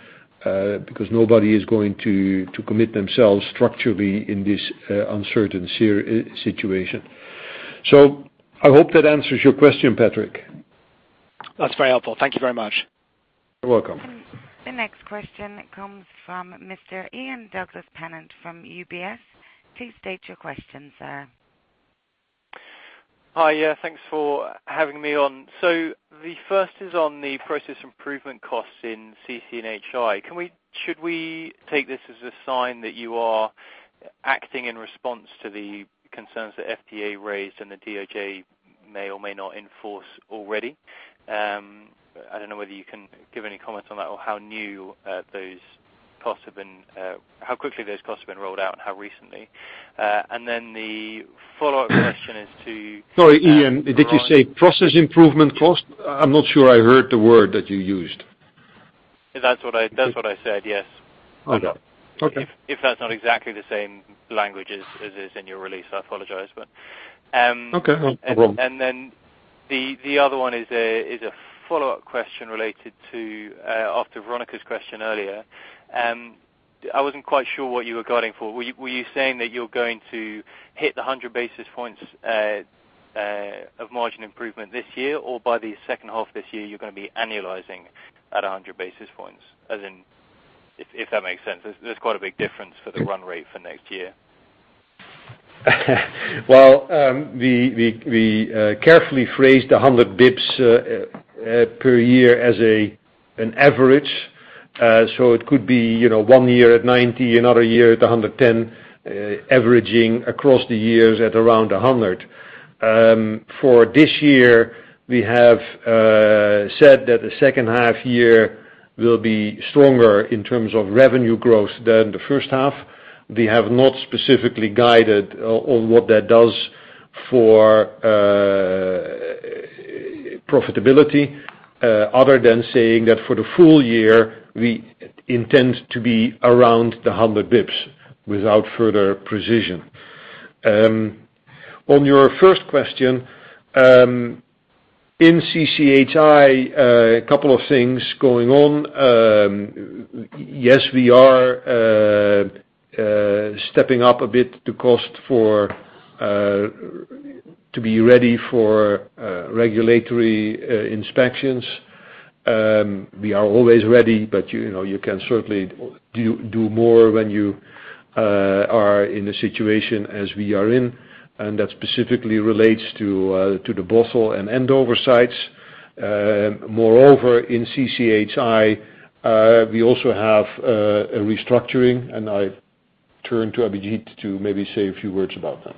because nobody is going to commit themselves structurally in this uncertain situation. I hope that answers your question, Patrick. That's very helpful. Thank you very much. You're welcome. The next question comes from Mr. Ian Douglas-Pennant from UBS. Please state your question, sir. Hi. Yeah, thanks for having me on. The first is on the process improvement costs in CC and HI. Should we take this as a sign that you are acting in response to the concerns that FDA raised and the DOJ may or may not enforce already? I don't know whether you can give any comments on that or how new those costs have been, how quickly those costs have been rolled out and how recently. The follow-up question is to. Sorry, Ian, did you say process improvement cost? I'm not sure I heard the word that you used. That's what I said, yes. Okay. Okay. If that's not exactly the same language as is in your release, I apologize, but. Okay. No problem. The other one is a follow-up question related to after Veronika's question earlier. I wasn't quite sure what you were guiding for. Were you saying that you're going to hit the 100 basis points of margin improvement this year, or by the second half of this year, you're gonna be annualizing at 100 basis points? If that makes sense. There's quite a big difference for the run rate for next year. We carefully phrased 100 basis points per year as an average, so it could be, you know, one year at 90, another year at 110, averaging across the years at around 100. For this year, we have said that the second half year will be stronger in terms of revenue growth than the first half. We have not specifically guided on what that does for profitability, other than saying that for the full year, we intend to be around the 100 basis points without further precision. On your first question, in CCHI, a couple of things going on. Yes, we are stepping up a bit to cost for to be ready for regulatory inspections. We are always ready, but, you know, you can certainly do more when you are in a situation as we are in, and that specifically relates to the Bothell and Andover sites. Moreover, in CCHI, we also have a restructuring, and I turn to Abhijit to maybe say a few words about that.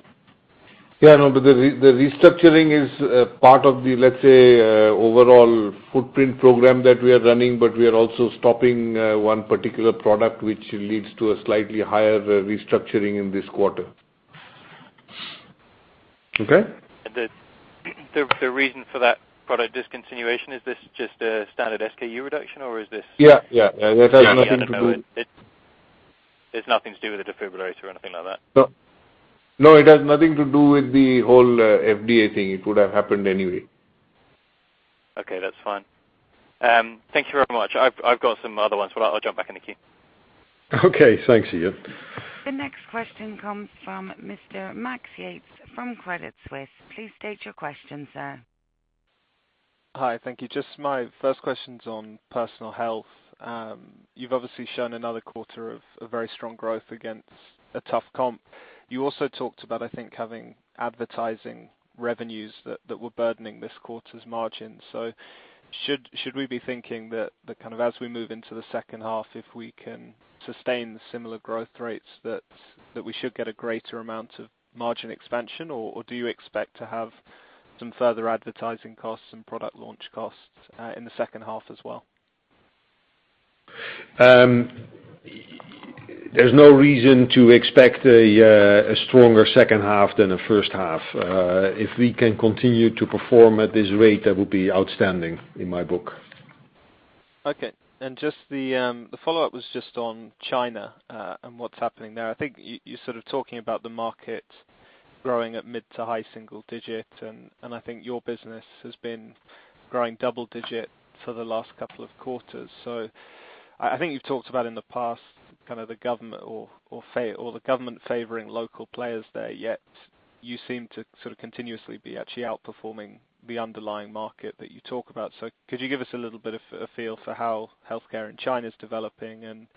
No, the restructuring is part of the, let's say, overall footprint program that we are running, but we are also stopping one particular product which leads to a slightly higher restructuring in this quarter. Okay. The reason for that product discontinuation, is this just a standard SKU reduction or is this? Yeah, yeah. It has nothing to do with. It's nothing to do with the defibrillator or anything like that? No. No, it has nothing to do with the whole FDA thing. It would have happened anyway. Okay, that's fine. Thank you very much. I've got some other ones, but I'll jump back in the queue. Okay, thanks, Ian. The next question comes from Mr. Max Yates from Credit Suisse. Please state your question, sir. Hi, thank you. My first question's on Personal Health. You've obviously shown another quarter of very strong growth against a tough comp. You also talked about, I think, having advertising revenues that were burdening this quarter's margin. Should we be thinking that kind of as we move into the second half, if we can sustain the similar growth rates, that we should get a greater amount of margin expansion? Or do you expect to have some further advertising costs and product launch costs in the second half as well? There's no reason to expect a stronger second half than the first half. If we can continue to perform at this rate, that would be outstanding in my book. Okay. Just the follow-up was just on China, and what's happening there. I think you're sort of talking about the market growing at mid to high single-digit, and I think your business has been growing double-digit for the last couple of quarters. I think you've talked about in the past, kind of the government favoring local players there, yet you seem to sort of continuously be actually outperforming the underlying market that you talk about. Could you give us a little bit of a feel for how healthcare in China is developing and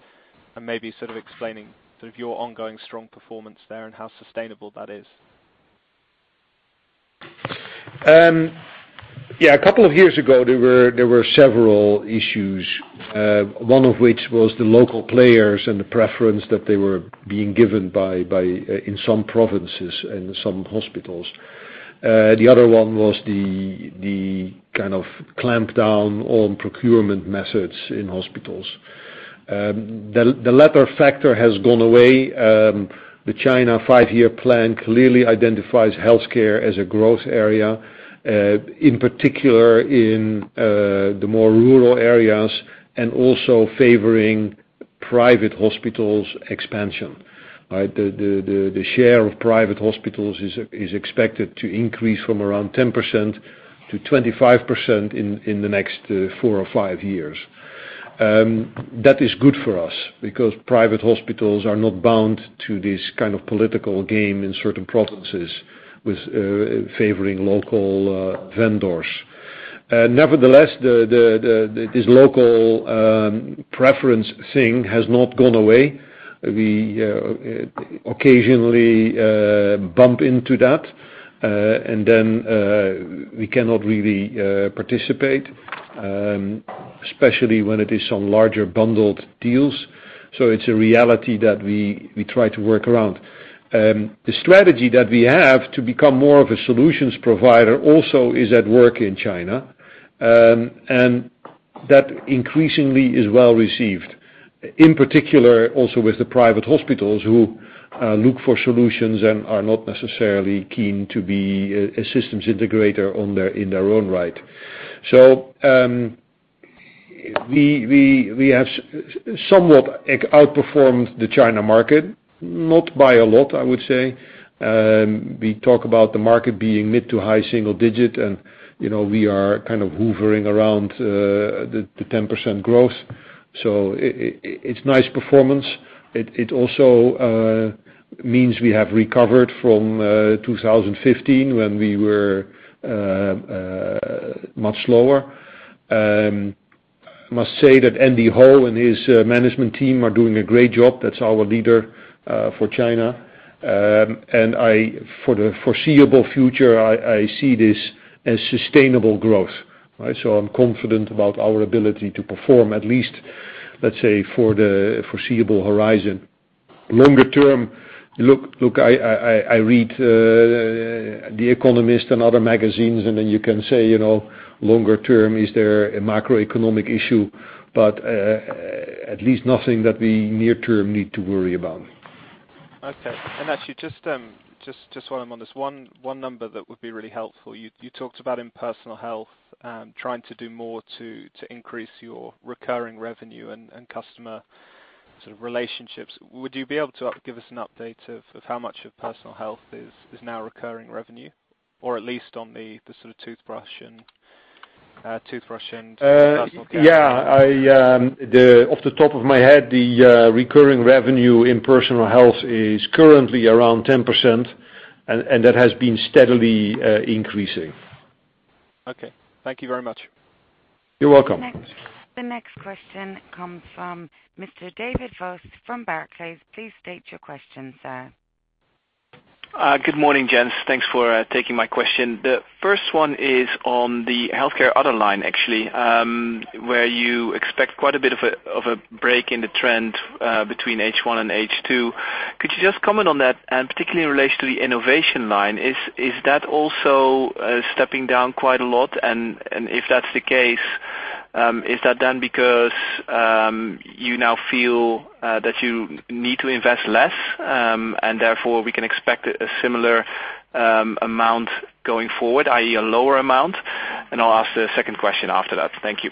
maybe sort of explaining sort of your ongoing strong performance there and how sustainable that is? Yeah, a couple of years ago, there were several issues, one of which was the local players and the preference that they were being given in some provinces and some hospitals. The other one was the kind of clampdown on procurement methods in hospitals. The latter factor has gone away. The China five-year plan clearly identifies healthcare as a growth area, in particular in the more rural areas and also favoring private hospitals expansion, right? The share of private hospitals is expected to increase from around 10%-25% in the next four or five years. That is good for us because private hospitals are not bound to this kind of political game in certain provinces with favoring local vendors. Nevertheless, this local preference thing has not gone away. We occasionally bump into that, and then we cannot really participate, especially when it is some larger bundled deals. It is a reality that we try to work around. The strategy that we have to become more of a solutions provider also is at work in China, and that increasingly is well received, in particular also with the private hospitals who look for solutions and are not necessarily keen to be a systems integrator on their, in their own right. We have somewhat outperformed the China market, not by a lot, I would say. We talk about the market being mid to high single digit and, you know, we are kind of hovering around the 10% growth. It's nice performance. It also means we have recovered from 2015 when we were much slower. I must say that Andy Ho and his management team are doing a great job. That's our leader for China. For the foreseeable future, I see this as sustainable growth, right? I'm confident about our ability to perform at least, let's say, for the foreseeable horizon. Longer term, look, I read The Economist and other magazines, and then you can say, you know, longer term, is there a macroeconomic issue? At least nothing that the near term need to worry about. Okay. Actually, just while I'm on this. One number that would be really helpful. You talked about in Personal Health, trying to do more to increase your recurring revenue and customer sort of relationships. Would you be able to give us an update of how much of Personal Health is now recurring revenue? Or at least on the sort of toothbrush and personal care. Yeah. Off the top of my head, the recurring revenue in Personal Health is currently around 10%, and that has been steadily increasing. Okay. Thank you very much. You're welcome. Next. The next question comes from Mr. David Vos from Barclays. Please state your question, sir. Good morning, gents. Thanks for taking my question. The first one is on the healthcare other line, actually, where you expect quite a bit of a break in the trend between H1 and H2. Could you just comment on that, and particularly in relation to the innovation line. Is that also stepping down quite a lot? If that's the case, is that then because you now feel that you need to invest less, and therefore we can expect a similar amount going forward, i.e., a lower amount? I'll ask the second question after that. Thank you.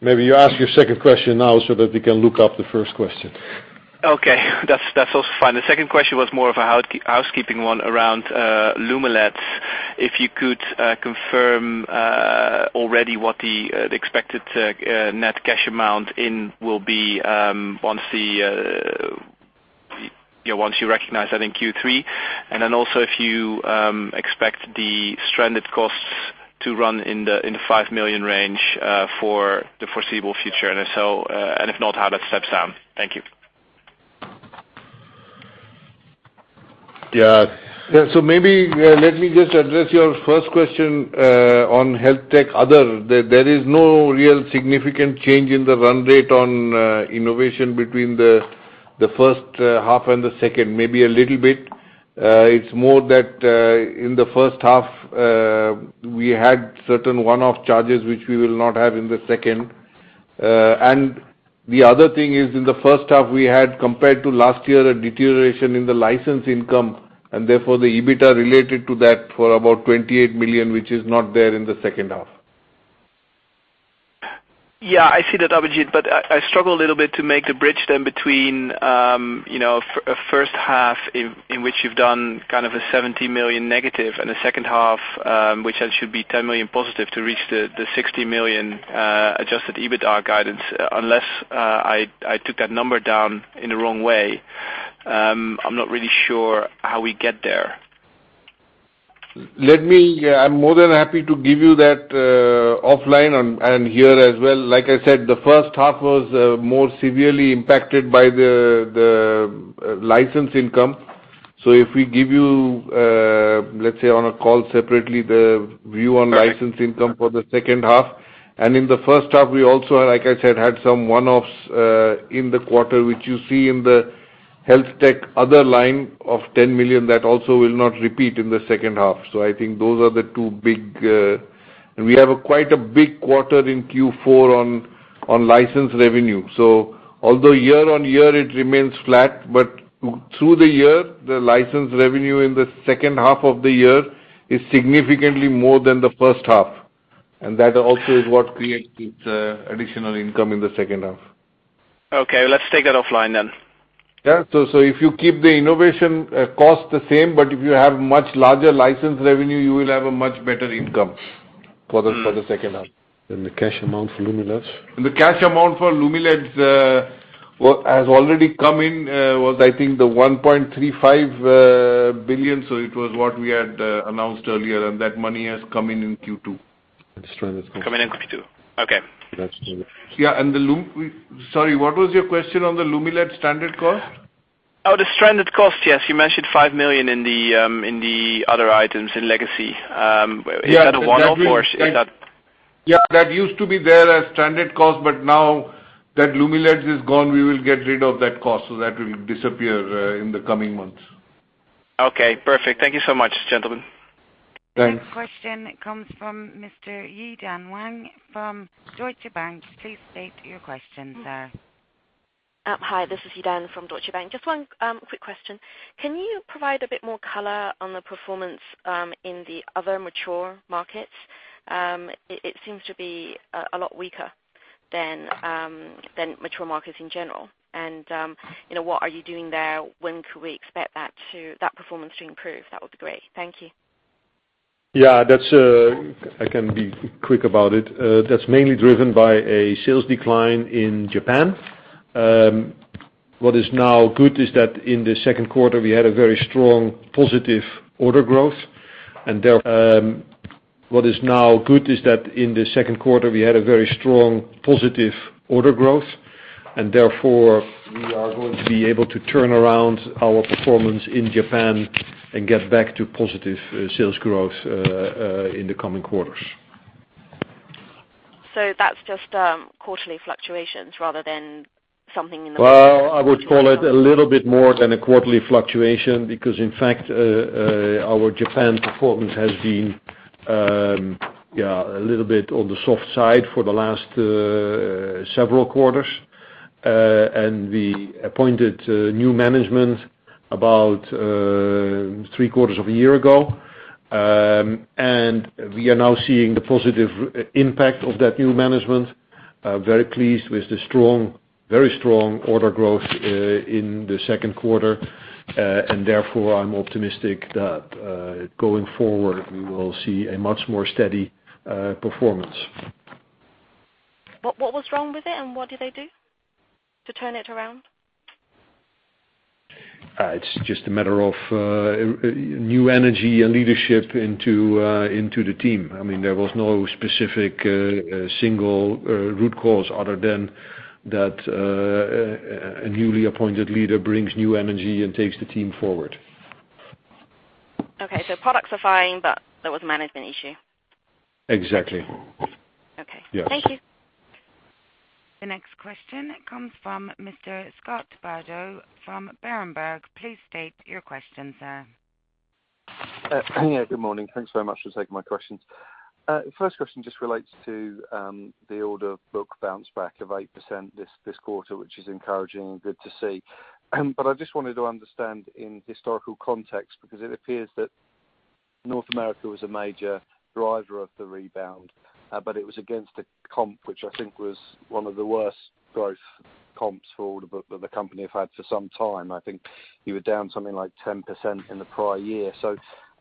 Maybe you ask your second question now so that we can look up the first question. Okay. That's also fine. The second question was more of a housekeeping one around Lumileds. If you could confirm already what the expected net cash amount in will be once you recognize that in Q3. Also if you expect the stranded costs to run in the 5 million range for the foreseeable future, and if so, and if not, how that steps down. Thank you. Maybe, let me just address your first question on HealthTech other. There is no real significant change in the run rate on innovation between the first half and the second. Maybe a little bit. It's more that in the first half, we had certain one-off charges which we will not have in the second. And the other thing is, in the first half, we had, compared to last year, a deterioration in the license income, and therefore the EBITDA related to that for about 28 million, which is not there in the second half. Yeah, I see that, Abhijit, but I struggle a little bit to make the bridge then between, you know, a first half in which you've done kind of a 70 million negative and a second half, which then should be 10 million positive to reach the 60 million adjusted EBITDA guidance. Unless I took that number down in the wrong way, I'm not really sure how we get there. Yeah, I'm more than happy to give you that offline and here as well. Like I said, the first half was more severely impacted by the license income. If we give you, let's say on a call separately, the view on license income for the second half. In the first half, we also, like I said, had some one-offs in the quarter, which you see in the HealthTech other line of 10 million. That also will not repeat in the second half. I think those are the two big. We have a quite a big quarter in Q4 on license revenue. Although year-on-year it remains flat, through the year, the license revenue in the second half of the year is significantly more than the first half. That also is what creates this additional income in the second half. Okay. Let's take that offline then. Yeah. If you keep the innovation cost the same, but if you have much larger license revenue, you will have a much better income for the second half. The cash amount for Lumileds. The cash amount for Lumileds has already come in. Was I think the 1.35 billion. It was what we had announced earlier. That money has come in in Q2. The stranded cost. Come in in Q2. Okay. That's good. Yeah, and the Sorry, what was your question on the Lumileds stranded cost? Oh, the stranded cost. Yes. You mentioned 5 million in the other items in Legacy. Is that a one-off? That used to be there as stranded cost, but now that Lumileds is gone, we will get rid of that cost, so that will disappear in the coming months. Okay, perfect. Thank you so much, gentlemen. Thanks. Next question comes from Mr. Yi-Dan Wang from Deutsche Bank. Please state your question, sir. Hi. This is Yi-Dan from Deutsche Bank. Just one quick question. Can you provide a bit more color on the performance in the other mature markets? It seems to be a lot weaker than mature markets in general. You know, what are you doing there? When could we expect that performance to improve? That would be great. Thank you. Yeah. That's, I can be quick about it. That's mainly driven by a sales decline in Japan. What is now good is that in the second quarter, we had a very strong positive order growth, and therefore we are going to be able to turn around our performance in Japan and get back to positive sales growth in the coming quarters. That's just quarterly fluctuations. I would call it a little bit more than a quarterly fluctuation because, in fact, our Japan performance has been a little bit on the soft side for the last several quarters. We appointed new management about three quarters of a year ago. We are now seeing the positive impact of that new management. Very pleased with the very strong order growth in the second quarter. I'm optimistic that going forward, we will see a much more steady performance. What was wrong with it, and what did they do to turn it around? It's just a matter of new energy and leadership into the team. I mean, there was no specific, single, root cause other than that, a newly appointed leader brings new energy and takes the team forward. Products are fine, but there was a management issue. Exactly. Okay. Yes. Thank you. The next question comes from Mr. Scott Bardo from Berenberg. Please state your question, sir. Yeah, good morning. Thanks very much for taking my questions. First question just relates to the order book bounce back of 8% this quarter, which is encouraging and good to see. I just wanted to understand in historical context, because it appears that North America was a major driver of the rebound, but it was against a comp, which I think was one of the worst growth comps for order book that the company have had for some time. I think you were down something like 10% in the prior year.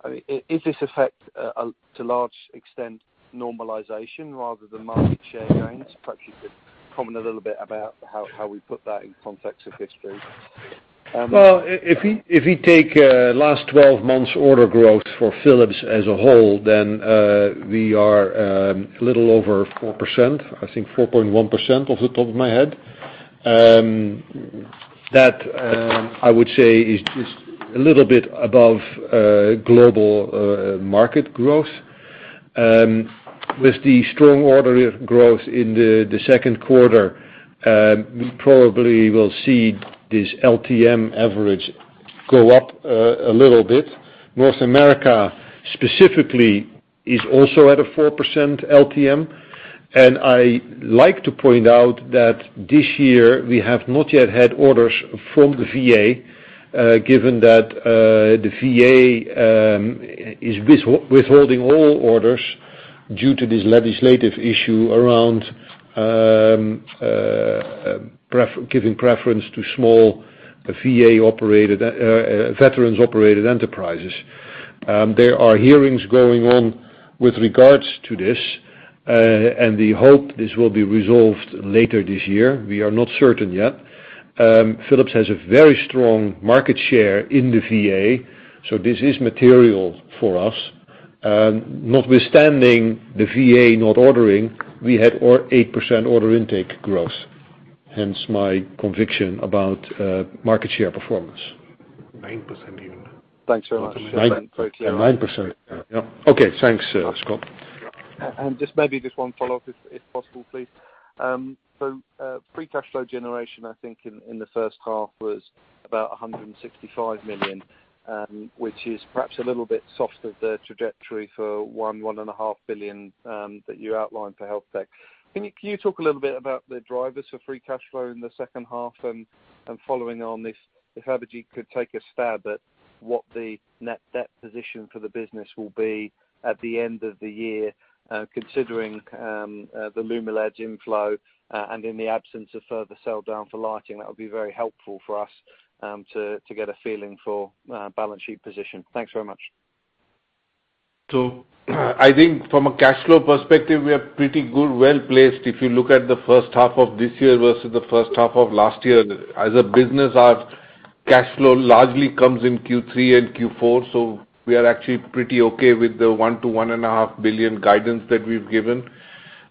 I mean, is this effect to large extent normalization rather than market share gains? Perhaps you could comment a little bit about how we put that in context of history. Well, if we take last 12 months order growth for Philips as a whole, we are a little over 4%, I think 4.1% off the top of my head. That I would say is just a little bit above global market growth. With the strong order growth in the second quarter, we probably will see this LTM average go up a little bit. North America, specifically is also at a 4% LTM. I like to point out that this year we have not yet had orders from the VA, given that the VA is withholding all orders due to this legislative issue around giving preference to small VA-operated veterans-operated enterprises. There are hearings going on with regards to this, and we hope this will be resolved later this year. We are not certain yet. Philips has a very strong market share in the VA, so this is material for us. Notwithstanding the VA not ordering, we had 8% order intake growth, hence my conviction about market share performance. 9% even. Thanks so much. 9%. Yeah. Okay. Thanks, Scott. Just maybe just one follow-up if possible, please. Free cash flow generation, I think in the first half was about 165 million, which is perhaps a little bit soft of the trajectory for 1.5 billion that you outlined for Healthtech. Can you talk a little bit about the drivers for free cash flow in the second half? Following on this, if Abhijit could take a stab at what the net debt position for the business will be at the end of the year, considering the Lumileds inflow, and in the absence of further sell down for lighting. That would be very helpful for us to get a feeling for balance sheet position. Thanks very much. I think from a cash flow perspective, we are pretty good, well-placed. If you look at the first half of this year versus the first half of last year, as a business, our cash flow largely comes in Q3 and Q4. We are actually pretty okay with the 1 billion-1.5 billion guidance that we've given.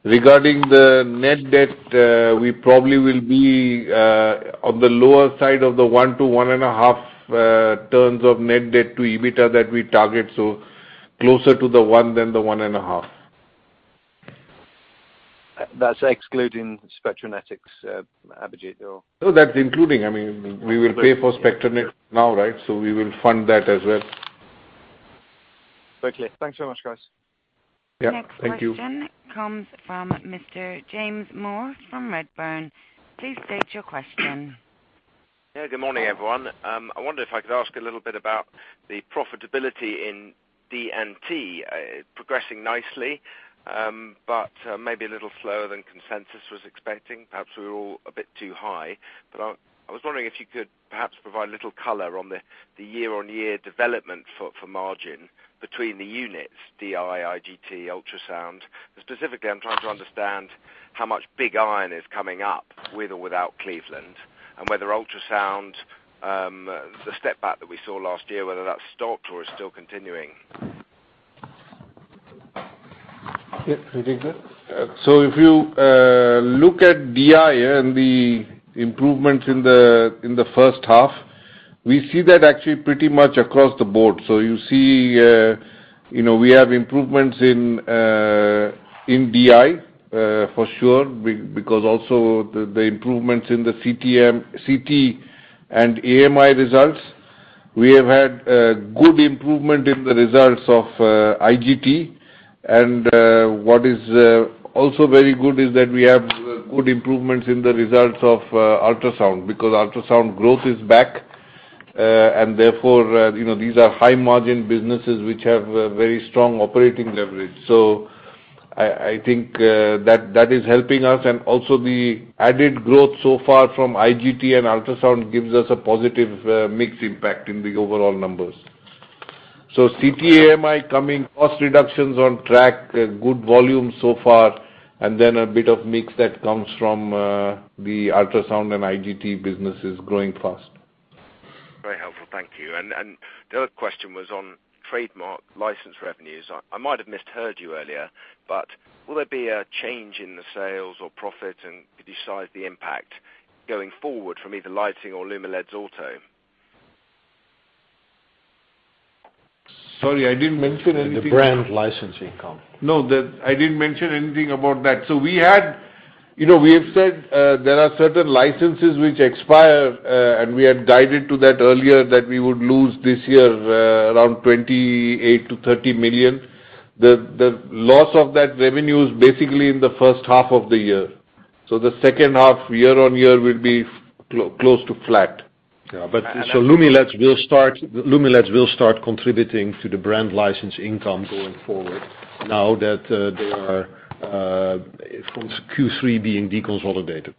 Regarding the net debt, we probably will be on the lower side of the 1-1.5 turns of net debt to EBITDA that we target, so closer to the 1 than the 1.5. That's excluding Spectranetics, Abhijit or? No, that's including. I mean, we will pay for Spectranetics now, right? We will fund that as well. Very clear. Thanks so much, guys. Yeah. Thank you. The next question comes from Mr. James Moore from Redburn. Please state your question. Yeah, good morning, everyone. I wonder if I could ask a little bit about the profitability in D&T, progressing nicely, but maybe a little slower than consensus was expecting. Perhaps we were all a bit too high. I was wondering if you could perhaps provide a little color on the year-on-year development for margin between the units DI, IGT, Ultrasound. Specifically, I'm trying to understand how much big iron is coming up with or without Cleveland, and whether Ultrasound, the step back that we saw last year, whether that's stopped or is still continuing. Yeah, Abhijit? If you look at DI and the improvements in the first half, we see that actually pretty much across the board. You see, you know, we have improvements in DI because also the improvements in the CT and MRI results. We have had good improvement in the results of IGT, and what is also very good is that we have good improvements in the results of Ultrasound because Ultrasound growth is back. Therefore, you know, these are high margin businesses which have very strong operating leverage. I think that is helping us and also the added growth so far from IGT and Ultrasound gives us a positive mix impact in the overall numbers. CT, MRI coming, cost reductions on track, good volume so far, and then a bit of mix that comes from the ultrasound and IGT businesses growing fast. Very helpful. Thank you. The other question was on trademark license revenues. I might have misheard you earlier, but will there be a change in the sales or profit and could you cite the impact going forward from either Lighting or Lumileds Auto? Sorry, I didn't mention anything. The brand licensing income. No, I didn't mention anything about that. We had, you know, said there are certain licenses which expire, and we had guided to that earlier, that we would lose this year around 28 million-30 million. The loss of that revenue is basically in the first half of the year. The second half, year-on-year, will be close to flat. Lumileds will start contributing to the brand license income going forward now that they are from Q3 being deconsolidated.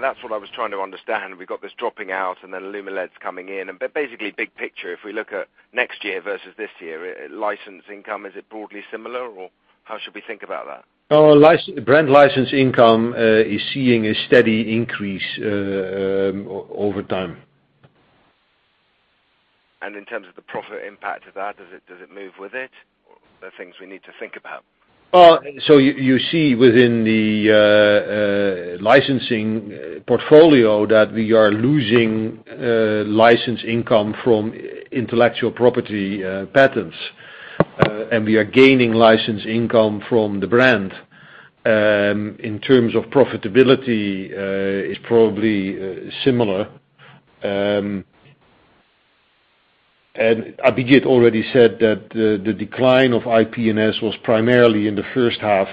That's what I was trying to understand. We've got this dropping out and then Lumileds coming in. Basically, big picture, if we look at next year versus this year, license income, is it broadly similar, or how should we think about that? Oh, brand license income is seeing a steady increase over time. In terms of the profit impact of that, does it move with it? Are there things we need to think about? You see within the licensing portfolio that we are losing license income from intellectual property patents and we are gaining license income from the brand. In terms of profitability, it's probably similar. Abhijit already said that the decline of IP&S was primarily in the first half,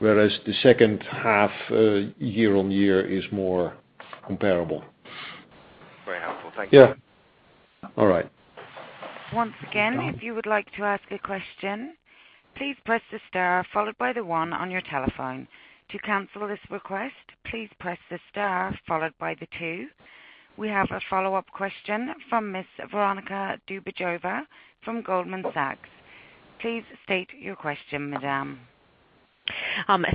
whereas the second half year-on-year is more comparable. Very helpful. Thank you. Yeah. All right. We have a follow-up question from Miss Veronika Dubajova from Goldman Sachs. Please state your question, madam.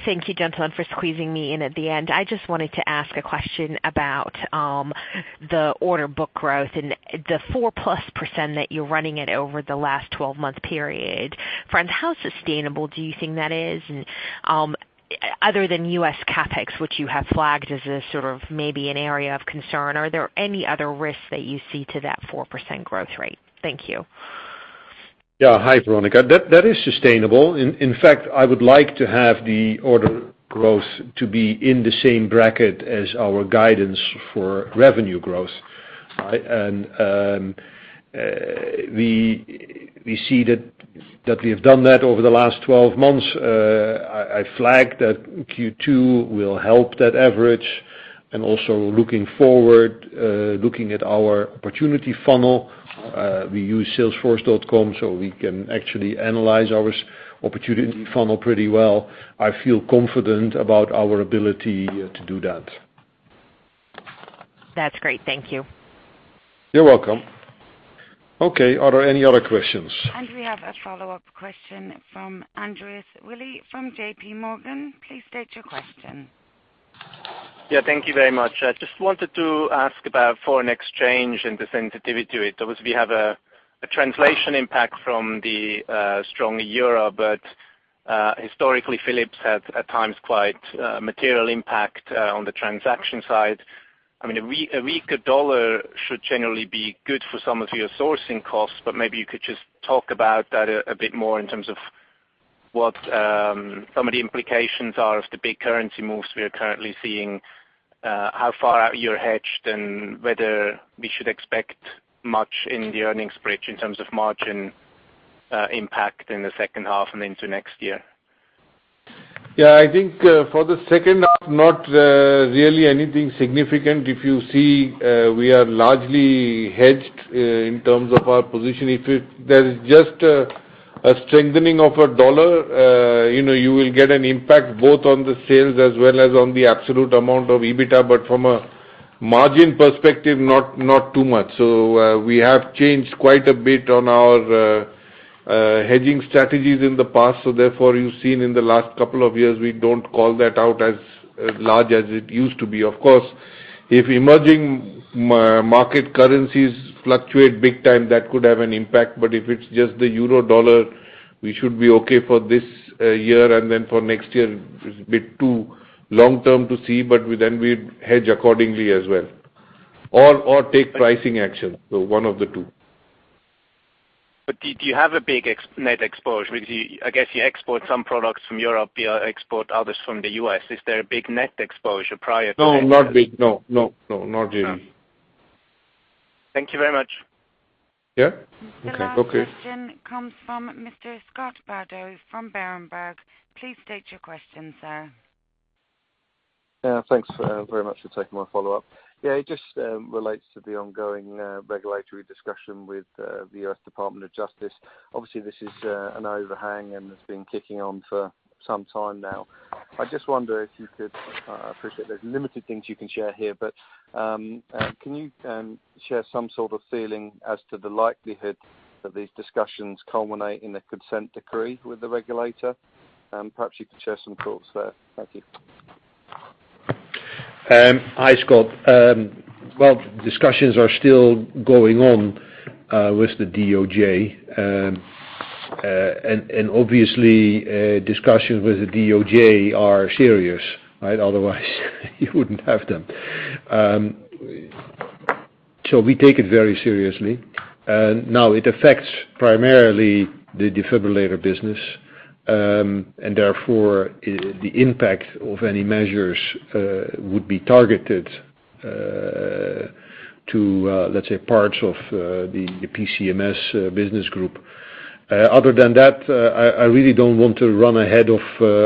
Thank you, gentlemen, for squeezing me in at the end. I just wanted to ask a question about the order book growth and the 4%+ that you're running it over the last 12-month period. Frans, how sustainable do you think that is? Other than U.S. CapEx, which you have flagged as a sort of maybe an area of concern, are there any other risks that you see to that 4% growth rate? Thank you. Hi, Veronika. That is sustainable. In fact, I would like to have the order growth to be in the same bracket as our guidance for revenue growth, right? We see that we have done that over the last 12 months. I flagged that Q2 will help that average. Also looking forward, looking at our opportunity funnel, we use salesforce.com, so we can actually analyze our opportunity funnel pretty well. I feel confident about our ability to do that. That's great. Thank you. You're welcome. Okay, are there any other questions? We have a follow-up question from Andreas Willi from JPMorgan. Please state your question. Thank you very much. I just wanted to ask about foreign exchange and the sensitivity to it. Obviously, you have a translation impact from the stronger EUR, but historically, Philips has at times quite material impact on the transaction side. I mean, a weaker U.S. dollar should generally be good for some of your sourcing costs, but maybe you could just talk about that a bit more in terms of what some of the implications are of the big currency moves we are currently seeing, how far out you're hedged, and whether we should expect much in the earnings bridge in terms of margin impact in the second half and into next year. Yeah. I think for the second half, not really anything significant. If you see, we are largely hedged in terms of our position. If there is just a strengthening of a dollar, you know, you will get an impact both on the sales as well as on the absolute amount of EBITDA. From a margin perspective, not too much. We have changed quite a bit on our hedging strategies in the past. Therefore, you've seen in the last couple of years, we don't call that out as large as it used to be. If emerging market currencies fluctuate big time, that could have an impact, but if it's just the euro-dollar, we should be okay for this year, and then for next year it's a bit too long term to see, but we'd hedge accordingly as well, or take pricing action. One of the two. Did you have a big FX net exposure? I guess you export some products from Europe, you export others from the U.S. Is there a big net exposure prior to this? No, not big. No, no, not really. Thank you very much. Yeah. Okay. The last question comes from Mr. Scott Bardo from Berenberg. Please state your question, sir. Yeah. Thanks very much for taking my follow-up. Yeah, it just relates to the ongoing regulatory discussion with the U.S. Department of Justice. Obviously, this is an overhang and has been kicking on for some time now. I just wonder if you could appreciate there's limited things you can share here, but can you share some sort of feeling as to the likelihood that these discussions culminate in a consent decree with the regulator? Perhaps you could share some thoughts there. Thank you. Hi, Scott. Discussions are still going on with the DOJ. Obviously, discussions with the DOJ are serious, right? Otherwise, you wouldn't have them. We take it very seriously. Now, it affects primarily the defibrillator business, and therefore the impact of any measures would be targeted to, let's say, parts of the PCMS business group. I really don't want to run ahead of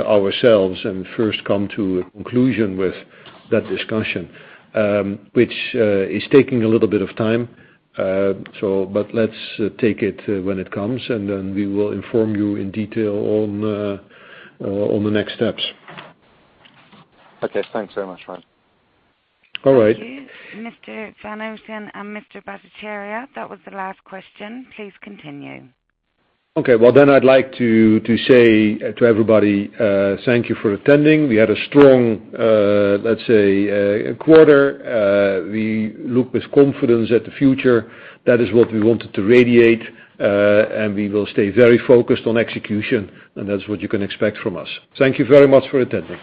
ourselves and first come to a conclusion with that discussion, which is taking a little bit of time. Let's take it when it comes, and then we will inform you in detail on the next steps. Okay. Thanks so much, Frans. All right. Thank you, Mr. van Houten and Mr. Bhattacharya. That was the last question. Please continue. Okay. Well, I'd like to say to everybody, thank you for attending. We had a strong, let's say, quarter. We look with confidence at the future. That is what we wanted to radiate, we will stay very focused on execution, that's what you can expect from us. Thank you very much for attending.